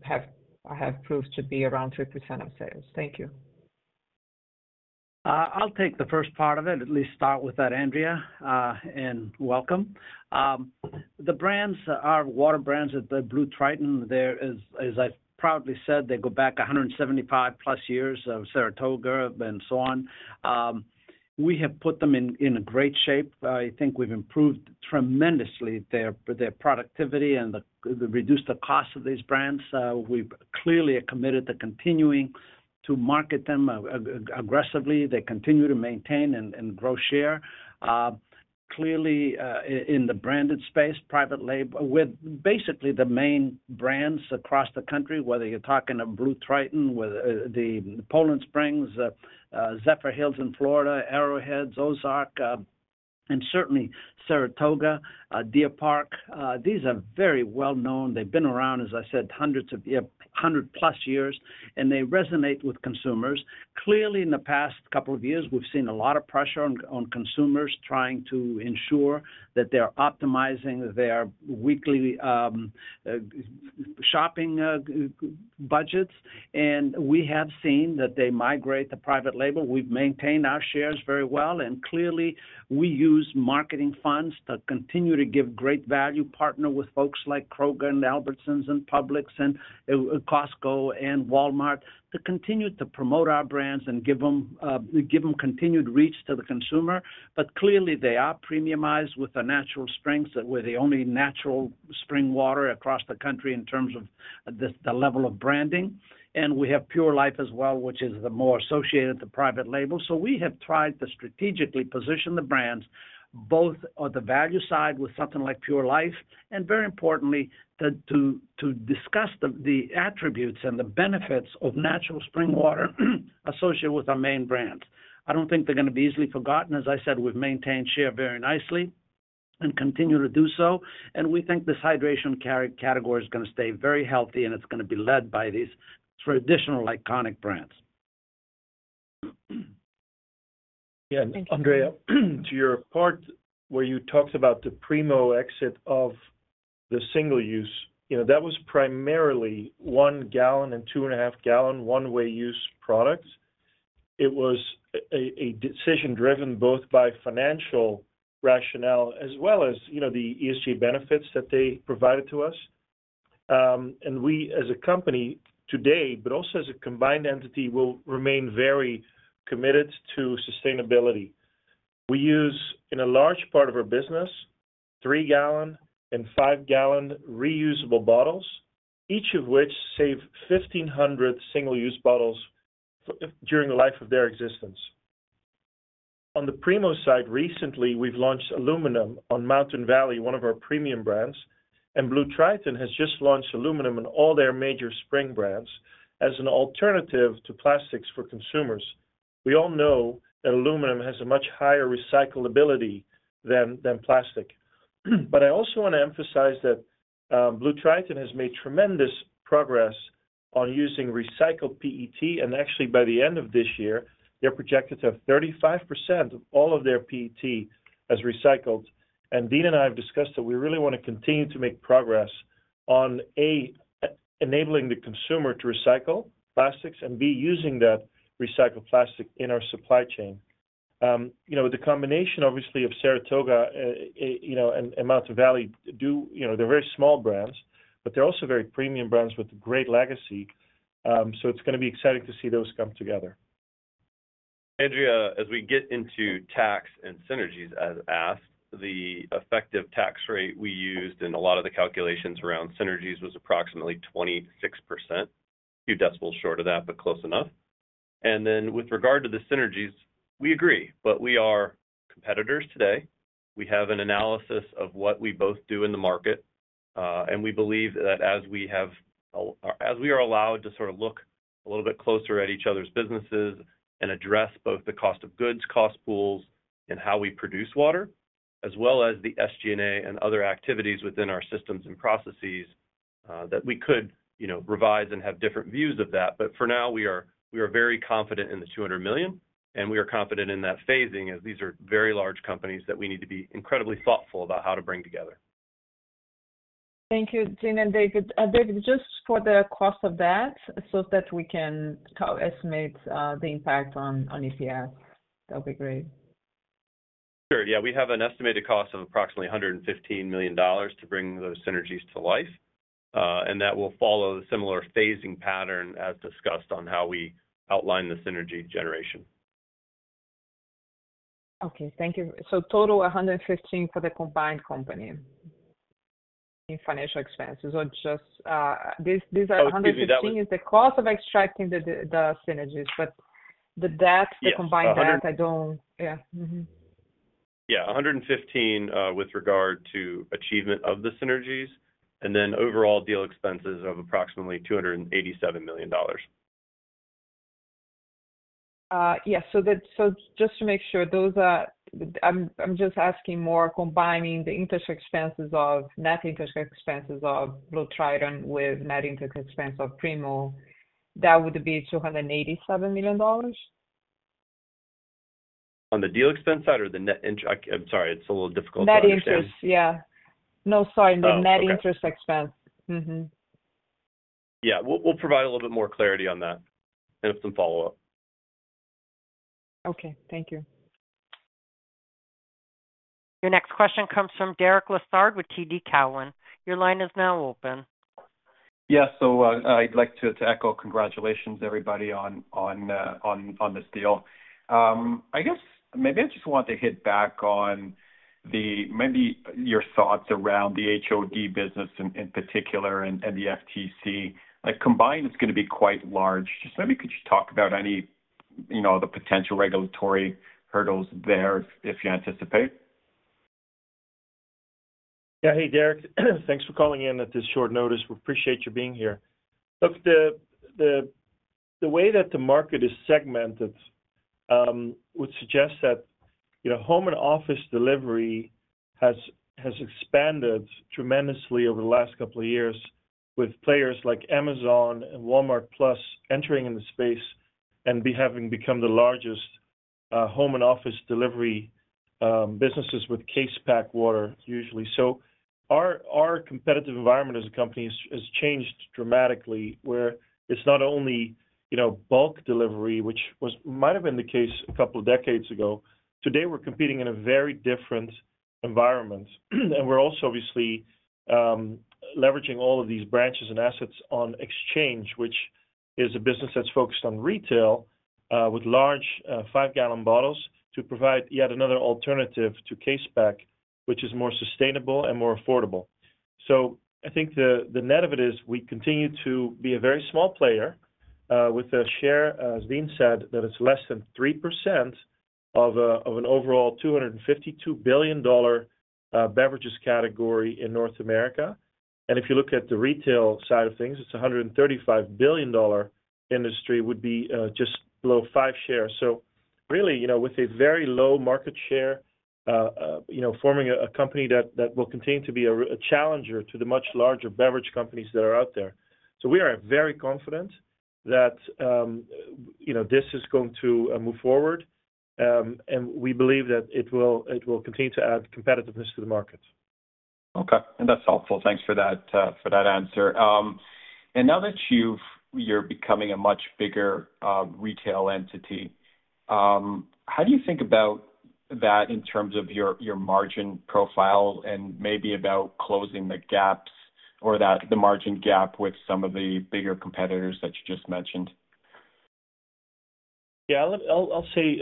S7: have proved to be around 3% of sales. Thank you.
S3: I'll take the first part of it, at least start with that, Andrea, and welcome. The brands, our water brands at BlueTriton, there is, as I've proudly said, they go back 175+ years of Saratoga and so on. We have put them in a great shape. I think we've improved tremendously their productivity and reduced the cost of these brands. We've clearly are committed to continuing to market them aggressively. They continue to maintain and grow share. Clearly, in the branded space, private label, with basically the main brands across the country, whether you're talking of BlueTriton, whether the Poland Spring, Zephyrhills in Florida, Arrowhead, Ozarka, and certainly Saratoga, Deer Park, these are very well-known. They've been around, as I said, hundreds of years, hundred plus years, and they resonate with consumers. Clearly, in the past couple of years, we've seen a lot of pressure on consumers trying to ensure that they are optimizing their weekly shopping budgets, and we have seen that they migrate to private label. We've maintained our shares very well, and clearly, we use marketing funds to continue to give great value, partner with folks like Kroger and Albertsons and Publix and Costco and Walmart, to continue to promote our brands and give them continued reach to the consumer. But clearly, they are premiumized with the natural springs. We're the only natural spring water across the country in terms of the level of branding. And we have Pure Life as well, which is the more associated to private label. We have tried to strategically position the brands, both on the value side with something like Pure Life, and very importantly, to discuss the attributes and the benefits of natural spring water, associated with our main brands. I don't think they're going to be easily forgotten. As I said, we've maintained share very nicely and continue to do so, and we think this hydration category is going to stay very healthy, and it's going to be led by these traditional iconic brands.
S4: Yeah, Andrea, to your part where you talked about the Primo exit of the single use, you know, that was primarily 1-gallon and 2.5-gallon, one-way use products. It was a decision driven both by financial rationale as well as, you know, the ESG benefits that they provided to us. And we, as a company today, but also as a combined entity, will remain very committed to sustainability. We use, in a large part of our business, three-gallon and five-gallon reusable bottles, each of which save 1,500 single-use bottles during the life of their existence. On the Primo side, recently, we've launched aluminum on Mountain Valley, one of our premium brands, and BlueTriton has just launched aluminum in all their major spring brands as an alternative to plastics for consumers. We all know that aluminum has a much higher recyclability than plastic. But I also want to emphasize that, BlueTriton has made tremendous progress on using recycled PET, and actually, by the end of this year, they're projected to have 35% of all of their PET as recycled. Dean and I have discussed that we really want to continue to make progress on, A, enabling the consumer to recycle plastics, and B, using that recycled plastic in our supply chain. You know, the combination, obviously, of Saratoga, you know, and Mountain Valley, you know, they're very small brands, but they're also very premium brands with great legacy. So it's going to be exciting to see those come together.
S5: Andrea, as we get into tax and synergies, as asked, the effective tax rate we used in a lot of the calculations around synergies was approximately 26%, few decimals short of that, but close enough. And then with regard to the synergies, we agree, but we are competitors today. We have an analysis of what we both do in the market, and we believe that as we are allowed to sort of look a little bit closer at each other's businesses and address both the cost of goods, cost pools, and how we produce water, as well as the SG&A and other activities within our systems and processes, that we could, you know, revise and have different views of that. But for now, we are, we are very confident in the $200 million, and we are confident in that phasing, as these are very large companies that we need to be incredibly thoughtful about how to bring together.
S7: Thank you, Dean and David. David, just for the cost of debt, so that we can co-estimate, the impact on, on EPS. That'd be great.
S5: Sure. Yeah, we have an estimated cost of approximately $115 million to bring those synergies to life. That will follow the similar phasing pattern as discussed on how we outline the synergy generation.
S7: Okay, thank you. So total of 115 for the combined company in financial expenses or just, These, these are-
S5: So, maybe that would-
S7: $115 is the cost of extracting the synergies, but the debt-
S5: Yes, 100-
S7: the combined debt, I don't... Yeah. Mm-hmm.
S5: Yeah, $115 with regard to achievement of the synergies, and then overall deal expenses of approximately $287 million.
S7: Yes. So just to make sure, those are, I'm just asking more combining the net interest expenses of BlueTriton with net interest expense of Primo, that would be $287 million?
S5: On the deal expense side or the net inch—I’m sorry, it’s a little difficult to understand.
S7: Net interest. Yeah. No, sorry.
S5: Oh, okay.
S7: The net interest expense. Mm-hmm.
S5: Yeah, we'll, we'll provide a little bit more clarity on that and some follow-up.
S7: Okay. Thank you.
S1: Your next question comes from Derek Lessard with TD Cowen. Your line is now open.
S8: Yes, so, I'd like to echo congratulations, everybody, on this deal. I guess maybe I just want to hit back on the maybe your thoughts around the HOD business in particular and the FTC. Like, combined, it's going to be quite large. Just maybe could you talk about any, you know, the potential regulatory hurdles there, if you anticipate?
S4: Yeah. Hey, Derek, thanks for calling in at this short notice. We appreciate you being here. Look, the way that the market is segmented would suggest that, you know, home and office delivery has expanded tremendously over the last couple of years with players like Amazon and Walmart+ entering in the space and having become the largest home and office delivery businesses with case pack water, usually. So our competitive environment as a company has changed dramatically, where it's not only, you know, bulk delivery, which might have been the case a couple of decades ago. Today, we're competing in a very different environment. We're also obviously leveraging all of these branches and assets on Exchange, which is a business that's focused on retail with large 5-gallon bottles to provide yet another alternative to case pack, which is more sustainable and more affordable. So I think the net of it is we continue to be a very small player with a share, as Dean said, that is less than 3% of an overall $252 billion beverages category in North America. If you look at the retail side of things, it's a $135 billion industry, would be just below 5% share. So really, you know, with a very low market share, you know, forming a company that will continue to be a challenger to the much larger beverage companies that are out there. We are very confident that, you know, this is going to move forward, and we believe that it will continue to add competitiveness to the market. ...
S8: Okay, and that's helpful. Thanks for that, for that answer. And now that you're becoming a much bigger retail entity, how do you think about that in terms of your, your margin profile and maybe about closing the gaps or that, the margin gap with some of the bigger competitors that you just mentioned?
S4: Yeah, I'll say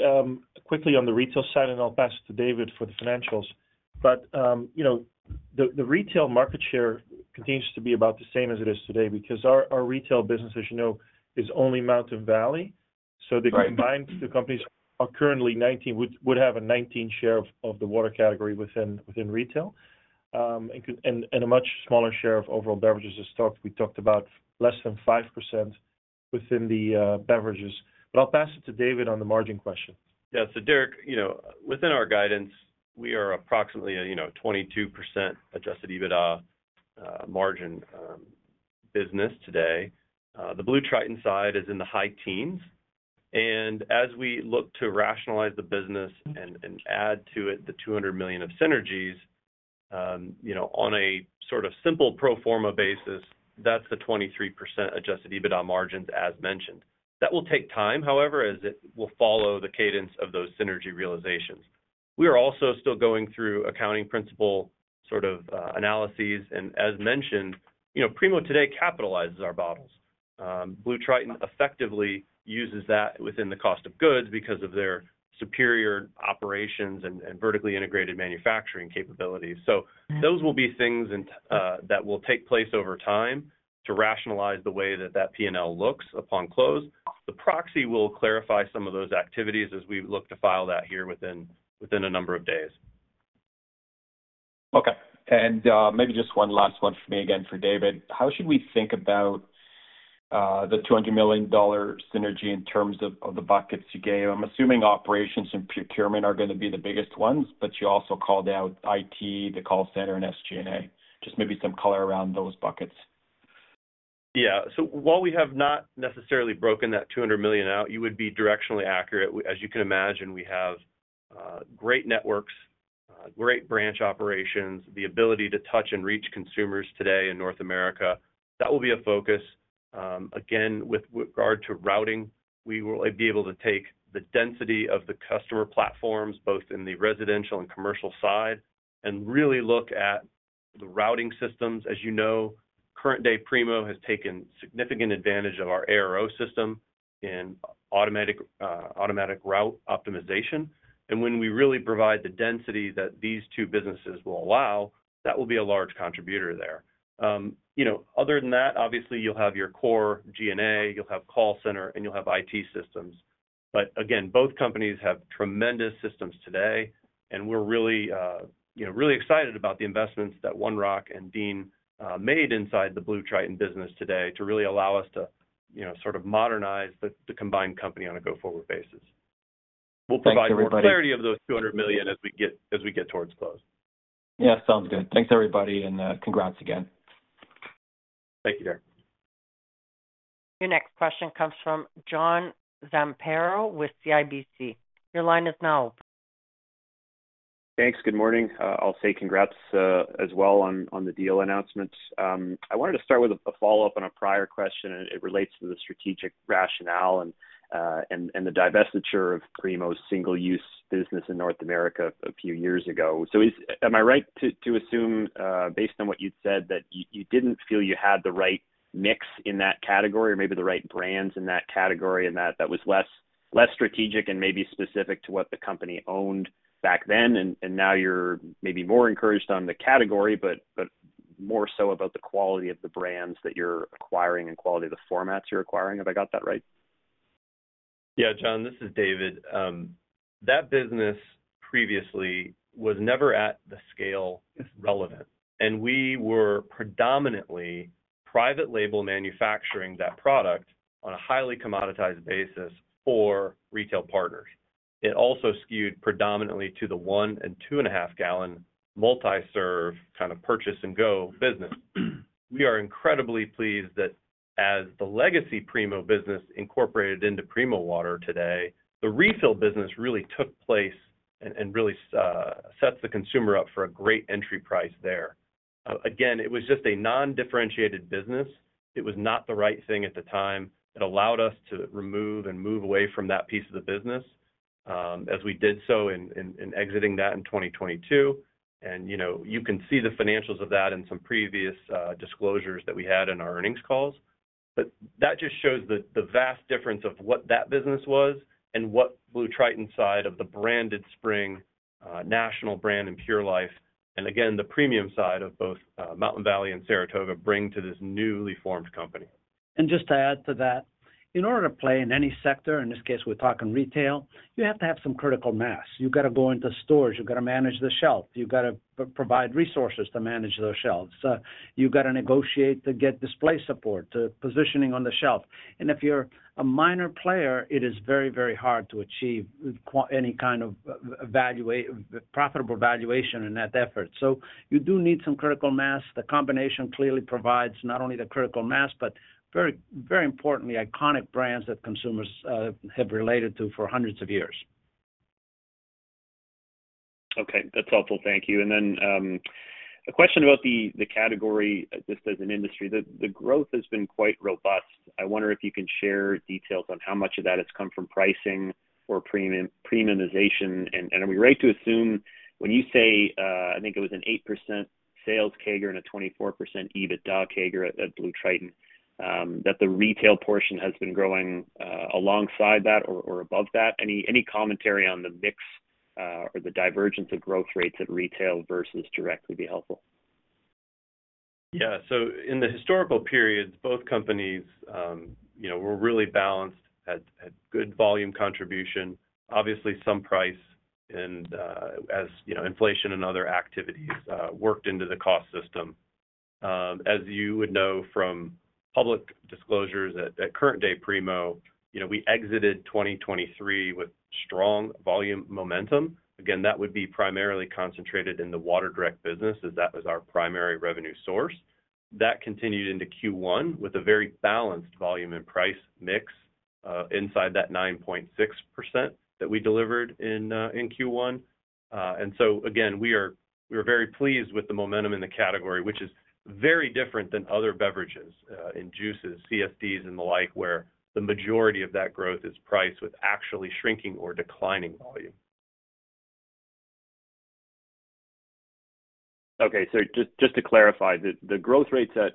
S4: quickly on the retail side, and I'll pass to David for the financials. But you know, the retail market share continues to be about the same as it is today because our retail business, as you know, is only Mountain Valley.
S8: Right.
S4: So the combined companies are currently 19, would have a 19 share of the water category within retail, and a much smaller share of overall beverages as talked. We talked about less than 5% within the beverages, but I'll pass it to David on the margin question.
S5: Yeah. So, Derek, you know, within our guidance, we are approximately, you know, 22% Adjusted EBITDA margin business today. The BlueTriton side is in the high teens, and as we look to rationalize the business and add to it the $200 million of synergies, you know, on a sort of simple pro forma basis, that's the 23% Adjusted EBITDA margins, as mentioned. That will take time, however, as it will follow the cadence of those synergy realizations. We are also still going through accounting principle sort of analyses, and as mentioned, you know, Primo today capitalizes our bottles. BlueTriton effectively uses that within the cost of goods because of their superior operations and vertically integrated manufacturing capabilities. Those will be things in that will take place over time to rationalize the way that that P&L looks upon close. The proxy will clarify some of those activities as we look to file that here within a number of days.
S8: Okay. And, maybe just one last one for me, again, for David. How should we think about the $200 million synergy in terms of, of the buckets you gave? I'm assuming operations and procurement are going to be the biggest ones, but you also called out IT, the call center, and SG&A. Just maybe some color around those buckets.
S5: Yeah. So while we have not necessarily broken that $200 million out, you would be directionally accurate. As you can imagine, we have great networks, great branch operations, the ability to touch and reach consumers today in North America. That will be a focus. Again, with regard to routing, we will be able to take the density of the customer platforms, both in the residential and commercial side, and really look at the routing systems. As you know, current day Primo has taken significant advantage of our ARO system and automatic route optimization. And when we really provide the density that these two businesses will allow, that will be a large contributor there. You know, other than that, obviously, you'll have your core G&A, you'll have call center, and you'll have IT systems. But again, both companies have tremendous systems today, and we're really, you know, really excited about the investments that One Rock and Dean made inside the BlueTriton business today to really allow us to, you know, sort of modernize the combined company on a go-forward basis.
S8: Thanks, everybody.
S5: We'll provide more clarity of those $200 million as we get towards close.
S8: Yeah, sounds good. Thanks, everybody, and congrats again.
S5: Thank you, Derek.
S1: Your next question comes from John Zamparo with CIBC. Your line is now open.
S9: Thanks. Good morning. I'll say congrats, as well on the deal announcement. I wanted to start with a follow-up on a prior question, and it relates to the strategic rationale and the divestiture of Primo's single-use business in North America a few years ago. So, am I right to assume, based on what you'd said, that you didn't feel you had the right mix in that category or maybe the right brands in that category, and that was less strategic and maybe specific to what the company owned back then, and now you're maybe more encouraged on the category, but more so about the quality of the brands that you're acquiring and quality of the formats you're acquiring. Have I got that right?
S5: Yeah, John, this is David. That business previously was never at the scale relevant, and we were predominantly private label manufacturing that product on a highly commoditized basis for retail partners. It also skewed predominantly to the 1- and 2- and 2.5-gallon multi-serve, kind of, purchase and go business. We are incredibly pleased that as the legacy Primo business incorporated into Primo Water today, the refill business really took place and, and really, sets the consumer up for a great entry price there. Again, it was just a non-differentiated business. It was not the right thing at the time. It allowed us to remove and move away from that piece of the business, as we did so in, in, in exiting that in 2022. You know, you can see the financials of that in some previous disclosures that we had in our earnings calls. But that just shows the vast difference of what that business was and what BlueTriton side of the branded spring national brand, and Pure Life, and again, the premium side of both Mountain Valley and Saratoga bring to this newly formed company.
S4: And just to add to that, in order to play in any sector, in this case, we're talking retail, you have to have some critical mass. You've got to go into stores, you've got to manage the shelf, you've got to provide resources to manage those shelves, you've got to negotiate to get display support, positioning on the shelf. And if you're a minor player, it is very, very hard to achieve any kind of profitable valuation in that effort. So you do need some critical mass. The combination clearly provides not only the critical mass, but very, very importantly, iconic brands that consumers have related to for hundreds of years....
S9: Okay, that's helpful. Thank you. And then, a question about the category, just as an industry. The growth has been quite robust. I wonder if you can share details on how much of that has come from pricing or premiumization. And are we right to assume when you say, I think it was an 8% sales CAGR and a 24% EBITDA CAGR at BlueTriton, that the retail portion has been growing alongside that or above that? Any commentary on the mix or the divergence of growth rates at retail versus direct would be helpful.
S4: Yeah. So in the historical periods, both companies, you know, were really balanced, had good volume contribution, obviously some price and, as you know, inflation and other activities worked into the cost system. As you would know from public disclosures at current day Primo, you know, we exited 2023 with strong volume momentum. Again, that would be primarily concentrated in the water direct business, as that was our primary revenue source. That continued into Q1 with a very balanced volume and price mix inside that 9.6% that we delivered in Q1. And so again, we're very pleased with the momentum in the category, which is very different than other beverages in juices, CSDs, and the like, where the majority of that growth is priced with actually shrinking or declining volume.
S9: Okay. So just to clarify, the growth rates at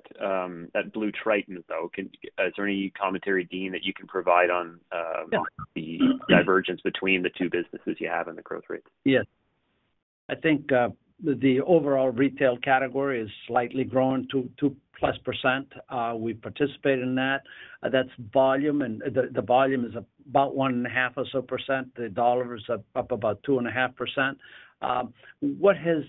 S9: BlueTriton, though, is there any commentary, Dean, that you can provide on?
S4: Yeah.
S9: The divergence between the two businesses you have and the growth rates?
S3: Yes. I think the overall retail category is slightly growing 2-2+%. We participate in that. That's volume, and the volume is about 1.5% or so. The dollar is up about 2.5%. What has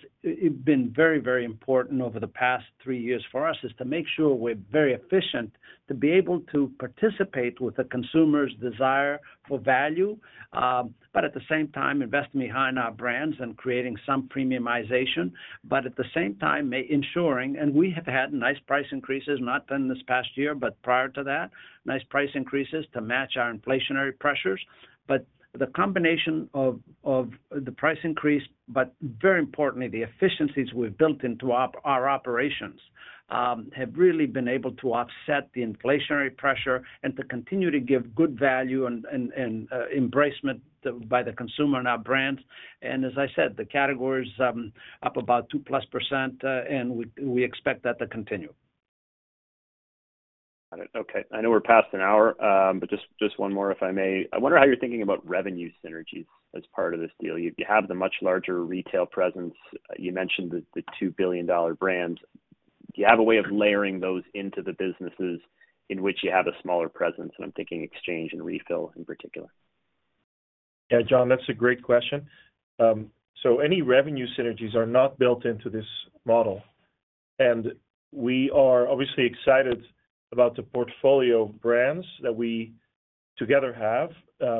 S3: been very, very important over the past 3 years for us is to make sure we're very efficient, to be able to participate with the consumer's desire for value, but at the same time, investing behind our brands and creating some premiumization, but at the same time, ensuring... And we have had nice price increases, not done this past year, but prior to that, nice price increases to match our inflationary pressures. But the combination of the price increase, but very importantly, the efficiencies we've built into our operations have really been able to offset the inflationary pressure and to continue to give good value and embracement by the consumer and our brands. And as I said, the category is up about 2%+, and we expect that to continue.
S9: Got it. Okay. I know we're past an hour, but just, just one more, if I may. I wonder how you're thinking about revenue synergies as part of this deal. You have the much larger retail presence. You mentioned the 2 billion-dollar brands. Do you have a way of layering those into the businesses in which you have a smaller presence? And I'm thinking exchange and refill in particular.
S4: Yeah, John, that's a great question. So any revenue synergies are not built into this model, and we are obviously excited about the portfolio of brands that we together have.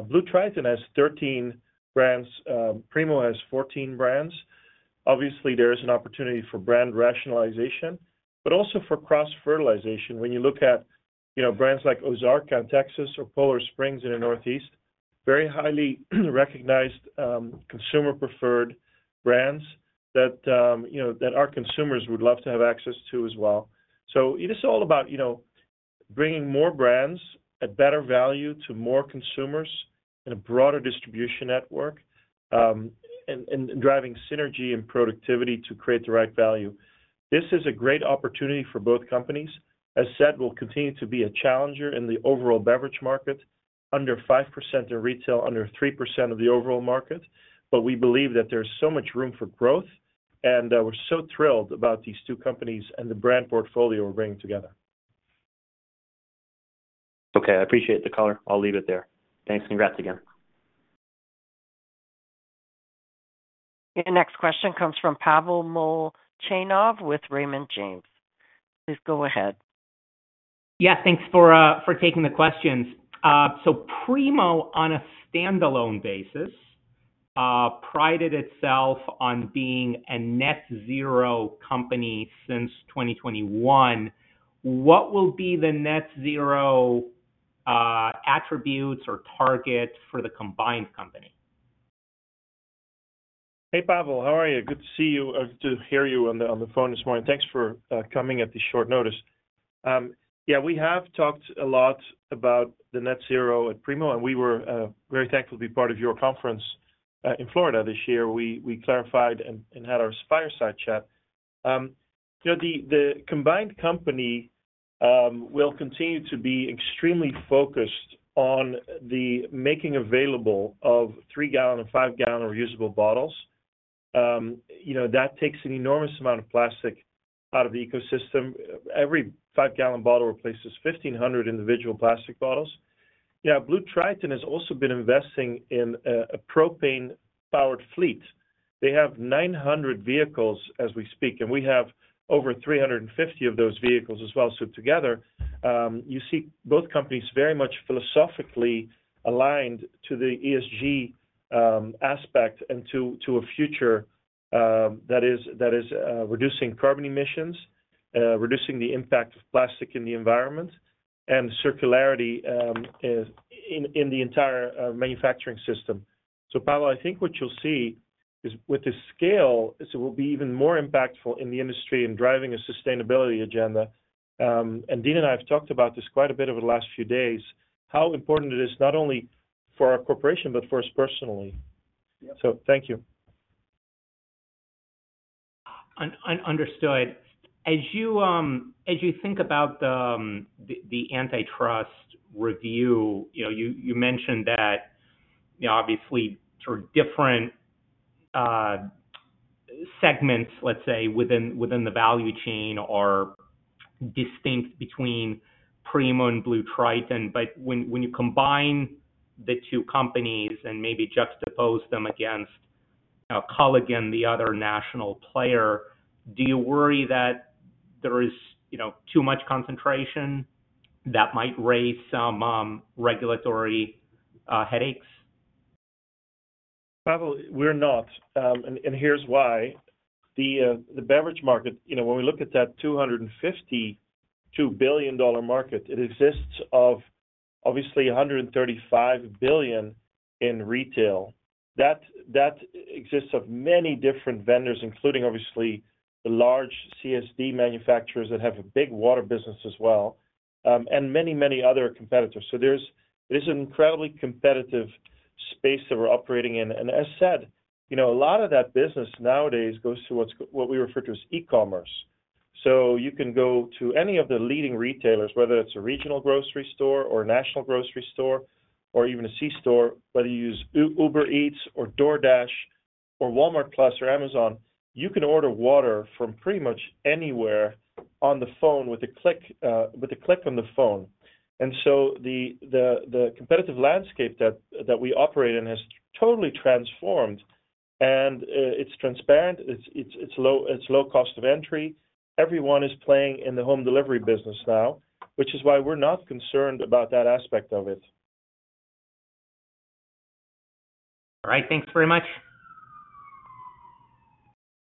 S4: BlueTriton has 13 brands, Primo has 14 brands. Obviously, there is an opportunity for brand rationalization, but also for cross-fertilization. When you look at, you know, brands like Ozarka on Texas or Poland Spring in the Northeast, very highly recognized, consumer preferred brands that, you know, that our consumers would love to have access to as well. So it is all about, you know, bringing more brands at better value to more consumers in a broader distribution network, and, and driving synergy and productivity to create the right value. This is a great opportunity for both companies. As said, we'll continue to be a challenger in the overall beverage market, under 5% of retail, under 3% of the overall market. But we believe that there's so much room for growth, and we're so thrilled about these two companies and the brand portfolio we're bringing together.
S9: Okay, I appreciate the color. I'll leave it there. Thanks. Congrats again.
S1: Your next question comes from Pavel Molchanov with Raymond James. Please go ahead.
S10: Yeah, thanks for for taking the questions. So Primo, on a standalone basis, prided itself on being a net zero company since 2021. What will be the net zero attributes or targets for the combined company?
S4: Hey, Pavel, how are you? Good to see you, to hear you on the phone this morning. Thanks for coming on short notice. Yeah, we have talked a lot about the net zero at Primo, and we were very thankful to be part of your conference in Florida this year. We clarified and had our fireside chat. You know, the combined company will continue to be extremely focused on the making available of 3-gallon and 5-gallon reusable bottles. You know, that takes an enormous amount of plastic out of the ecosystem. Every 5-gallon bottle replaces 1,500 individual plastic bottles. Yeah, BlueTriton has also been investing in a propane-powered fleet. They have 900 vehicles as we speak, and we have over 350 of those vehicles as well. So together, you see both companies very much philosophically aligned to the ESG aspect and to a future that is reducing carbon emissions, reducing the impact of plastic in the environment and circularity in the entire manufacturing system. So, Pavel, I think what you'll see is, with the scale, it will be even more impactful in the industry in driving a sustainability agenda. And Dean and I have talked about this quite a bit over the last few days, how important it is, not only for our corporation, but for us personally. So thank you.
S10: Understood. As you think about the antitrust review, you know, you mentioned that, you know, obviously, sort of different segments, let's say, within the value chain are distinct between Primo and Blue Triton. But when you combine the two companies and maybe juxtapose them against Culligan, the other national player, do you worry that there is, you know, too much concentration that might raise some regulatory headaches?
S4: Pavel, we're not, and here's why. The beverage market, you know, when we look at that $252 billion market, it exists of obviously $135 billion in retail. That exists of many different vendors, including, obviously, the large CSD manufacturers that have a big water business as well, and many, many other competitors. So there's an incredibly competitive space that we're operating in. And as said, you know, a lot of that business nowadays goes through what we refer to as e-commerce. So you can go to any of the leading retailers, whether it's a regional grocery store or a national grocery store, or even a C-store, whether you use Uber Eats or DoorDash or Walmart+ or Amazon, you can order water from pretty much anywhere on the phone with a click, with a click on the phone. And so the competitive landscape that we operate in has totally transformed, and it's transparent, it's low cost of entry. Everyone is playing in the home delivery business now, which is why we're not concerned about that aspect of it.
S10: All right. Thanks very much.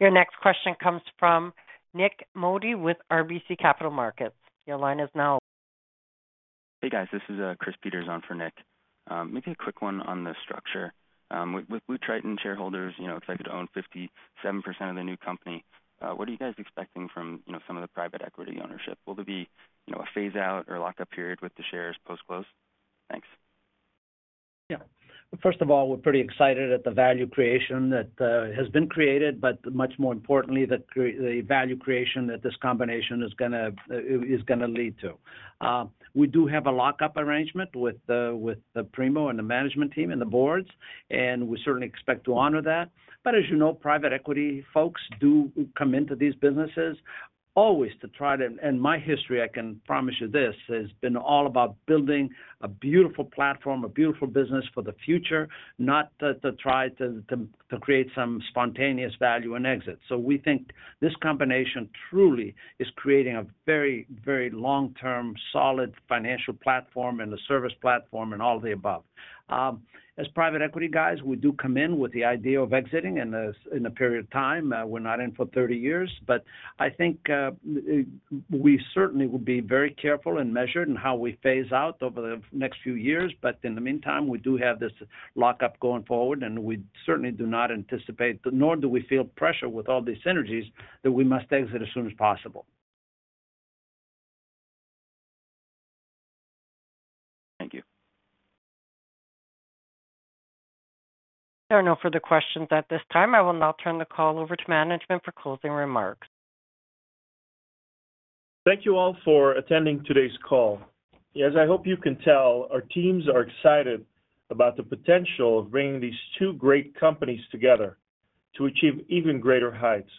S1: Your next question comes from Nik Modi with RBC Capital Markets. Your line is now-
S11: Hey, guys, this is Chris Peters on for Nik. Maybe a quick one on the structure. With BlueTriton shareholders, you know, expected to own 57% of the new company, what are you guys expecting from, you know, some of the private equity ownership? Will there be, you know, a phase out or lockup period with the shares post-close? Thanks.
S4: Yeah. First of all, we're pretty excited at the value creation that has been created, but much more importantly, the value creation that this combination is gonna is gonna lead to. We do have a lockup arrangement with the, with the Primo and the management team and the boards, and we certainly expect to honor that. But as you know, private equity folks do come into these businesses always to try to... And my history, I can promise you this, has been all about building a beautiful platform, a beautiful business for the future, not to, to, to create some spontaneous value and exit. So we think this combination truly is creating a very, very long-term, solid financial platform and a service platform and all the above. As private equity guys, we do come in with the idea of exiting in a period of time. We're not in for 30 years, but I think we certainly will be very careful and measured in how we phase out over the next few years. In the meantime, we do have this lockup going forward, and we certainly do not anticipate, nor do we feel pressure with all these synergies, that we must exit as soon as possible.
S11: Thank you.
S1: There are no further questions at this time. I will now turn the call over to management for closing remarks.
S3: Thank you all for attending today's call. As I hope you can tell, our teams are excited about the potential of bringing these two great companies together to achieve even greater heights.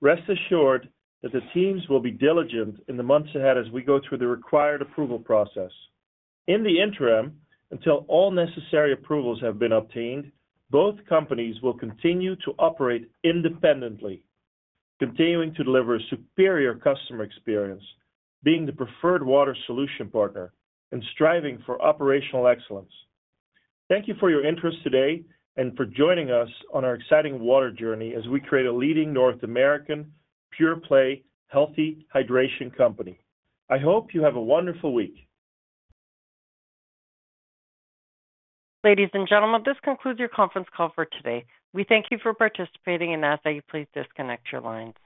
S3: Rest assured that the teams will be diligent in the months ahead as we go through the required approval process. In the interim, until all necessary approvals have been obtained, both companies will continue to operate independently, continuing to deliver a superior customer experience, being the preferred water solution partner and striving for operational excellence. Thank you for your interest today and for joining us on our exciting water journey as we create a leading North American pure-play, healthy hydration company. I hope you have a wonderful week.
S1: Ladies and gentlemen, this concludes your conference call for today. We thank you for participating and ask that you please disconnect your lines.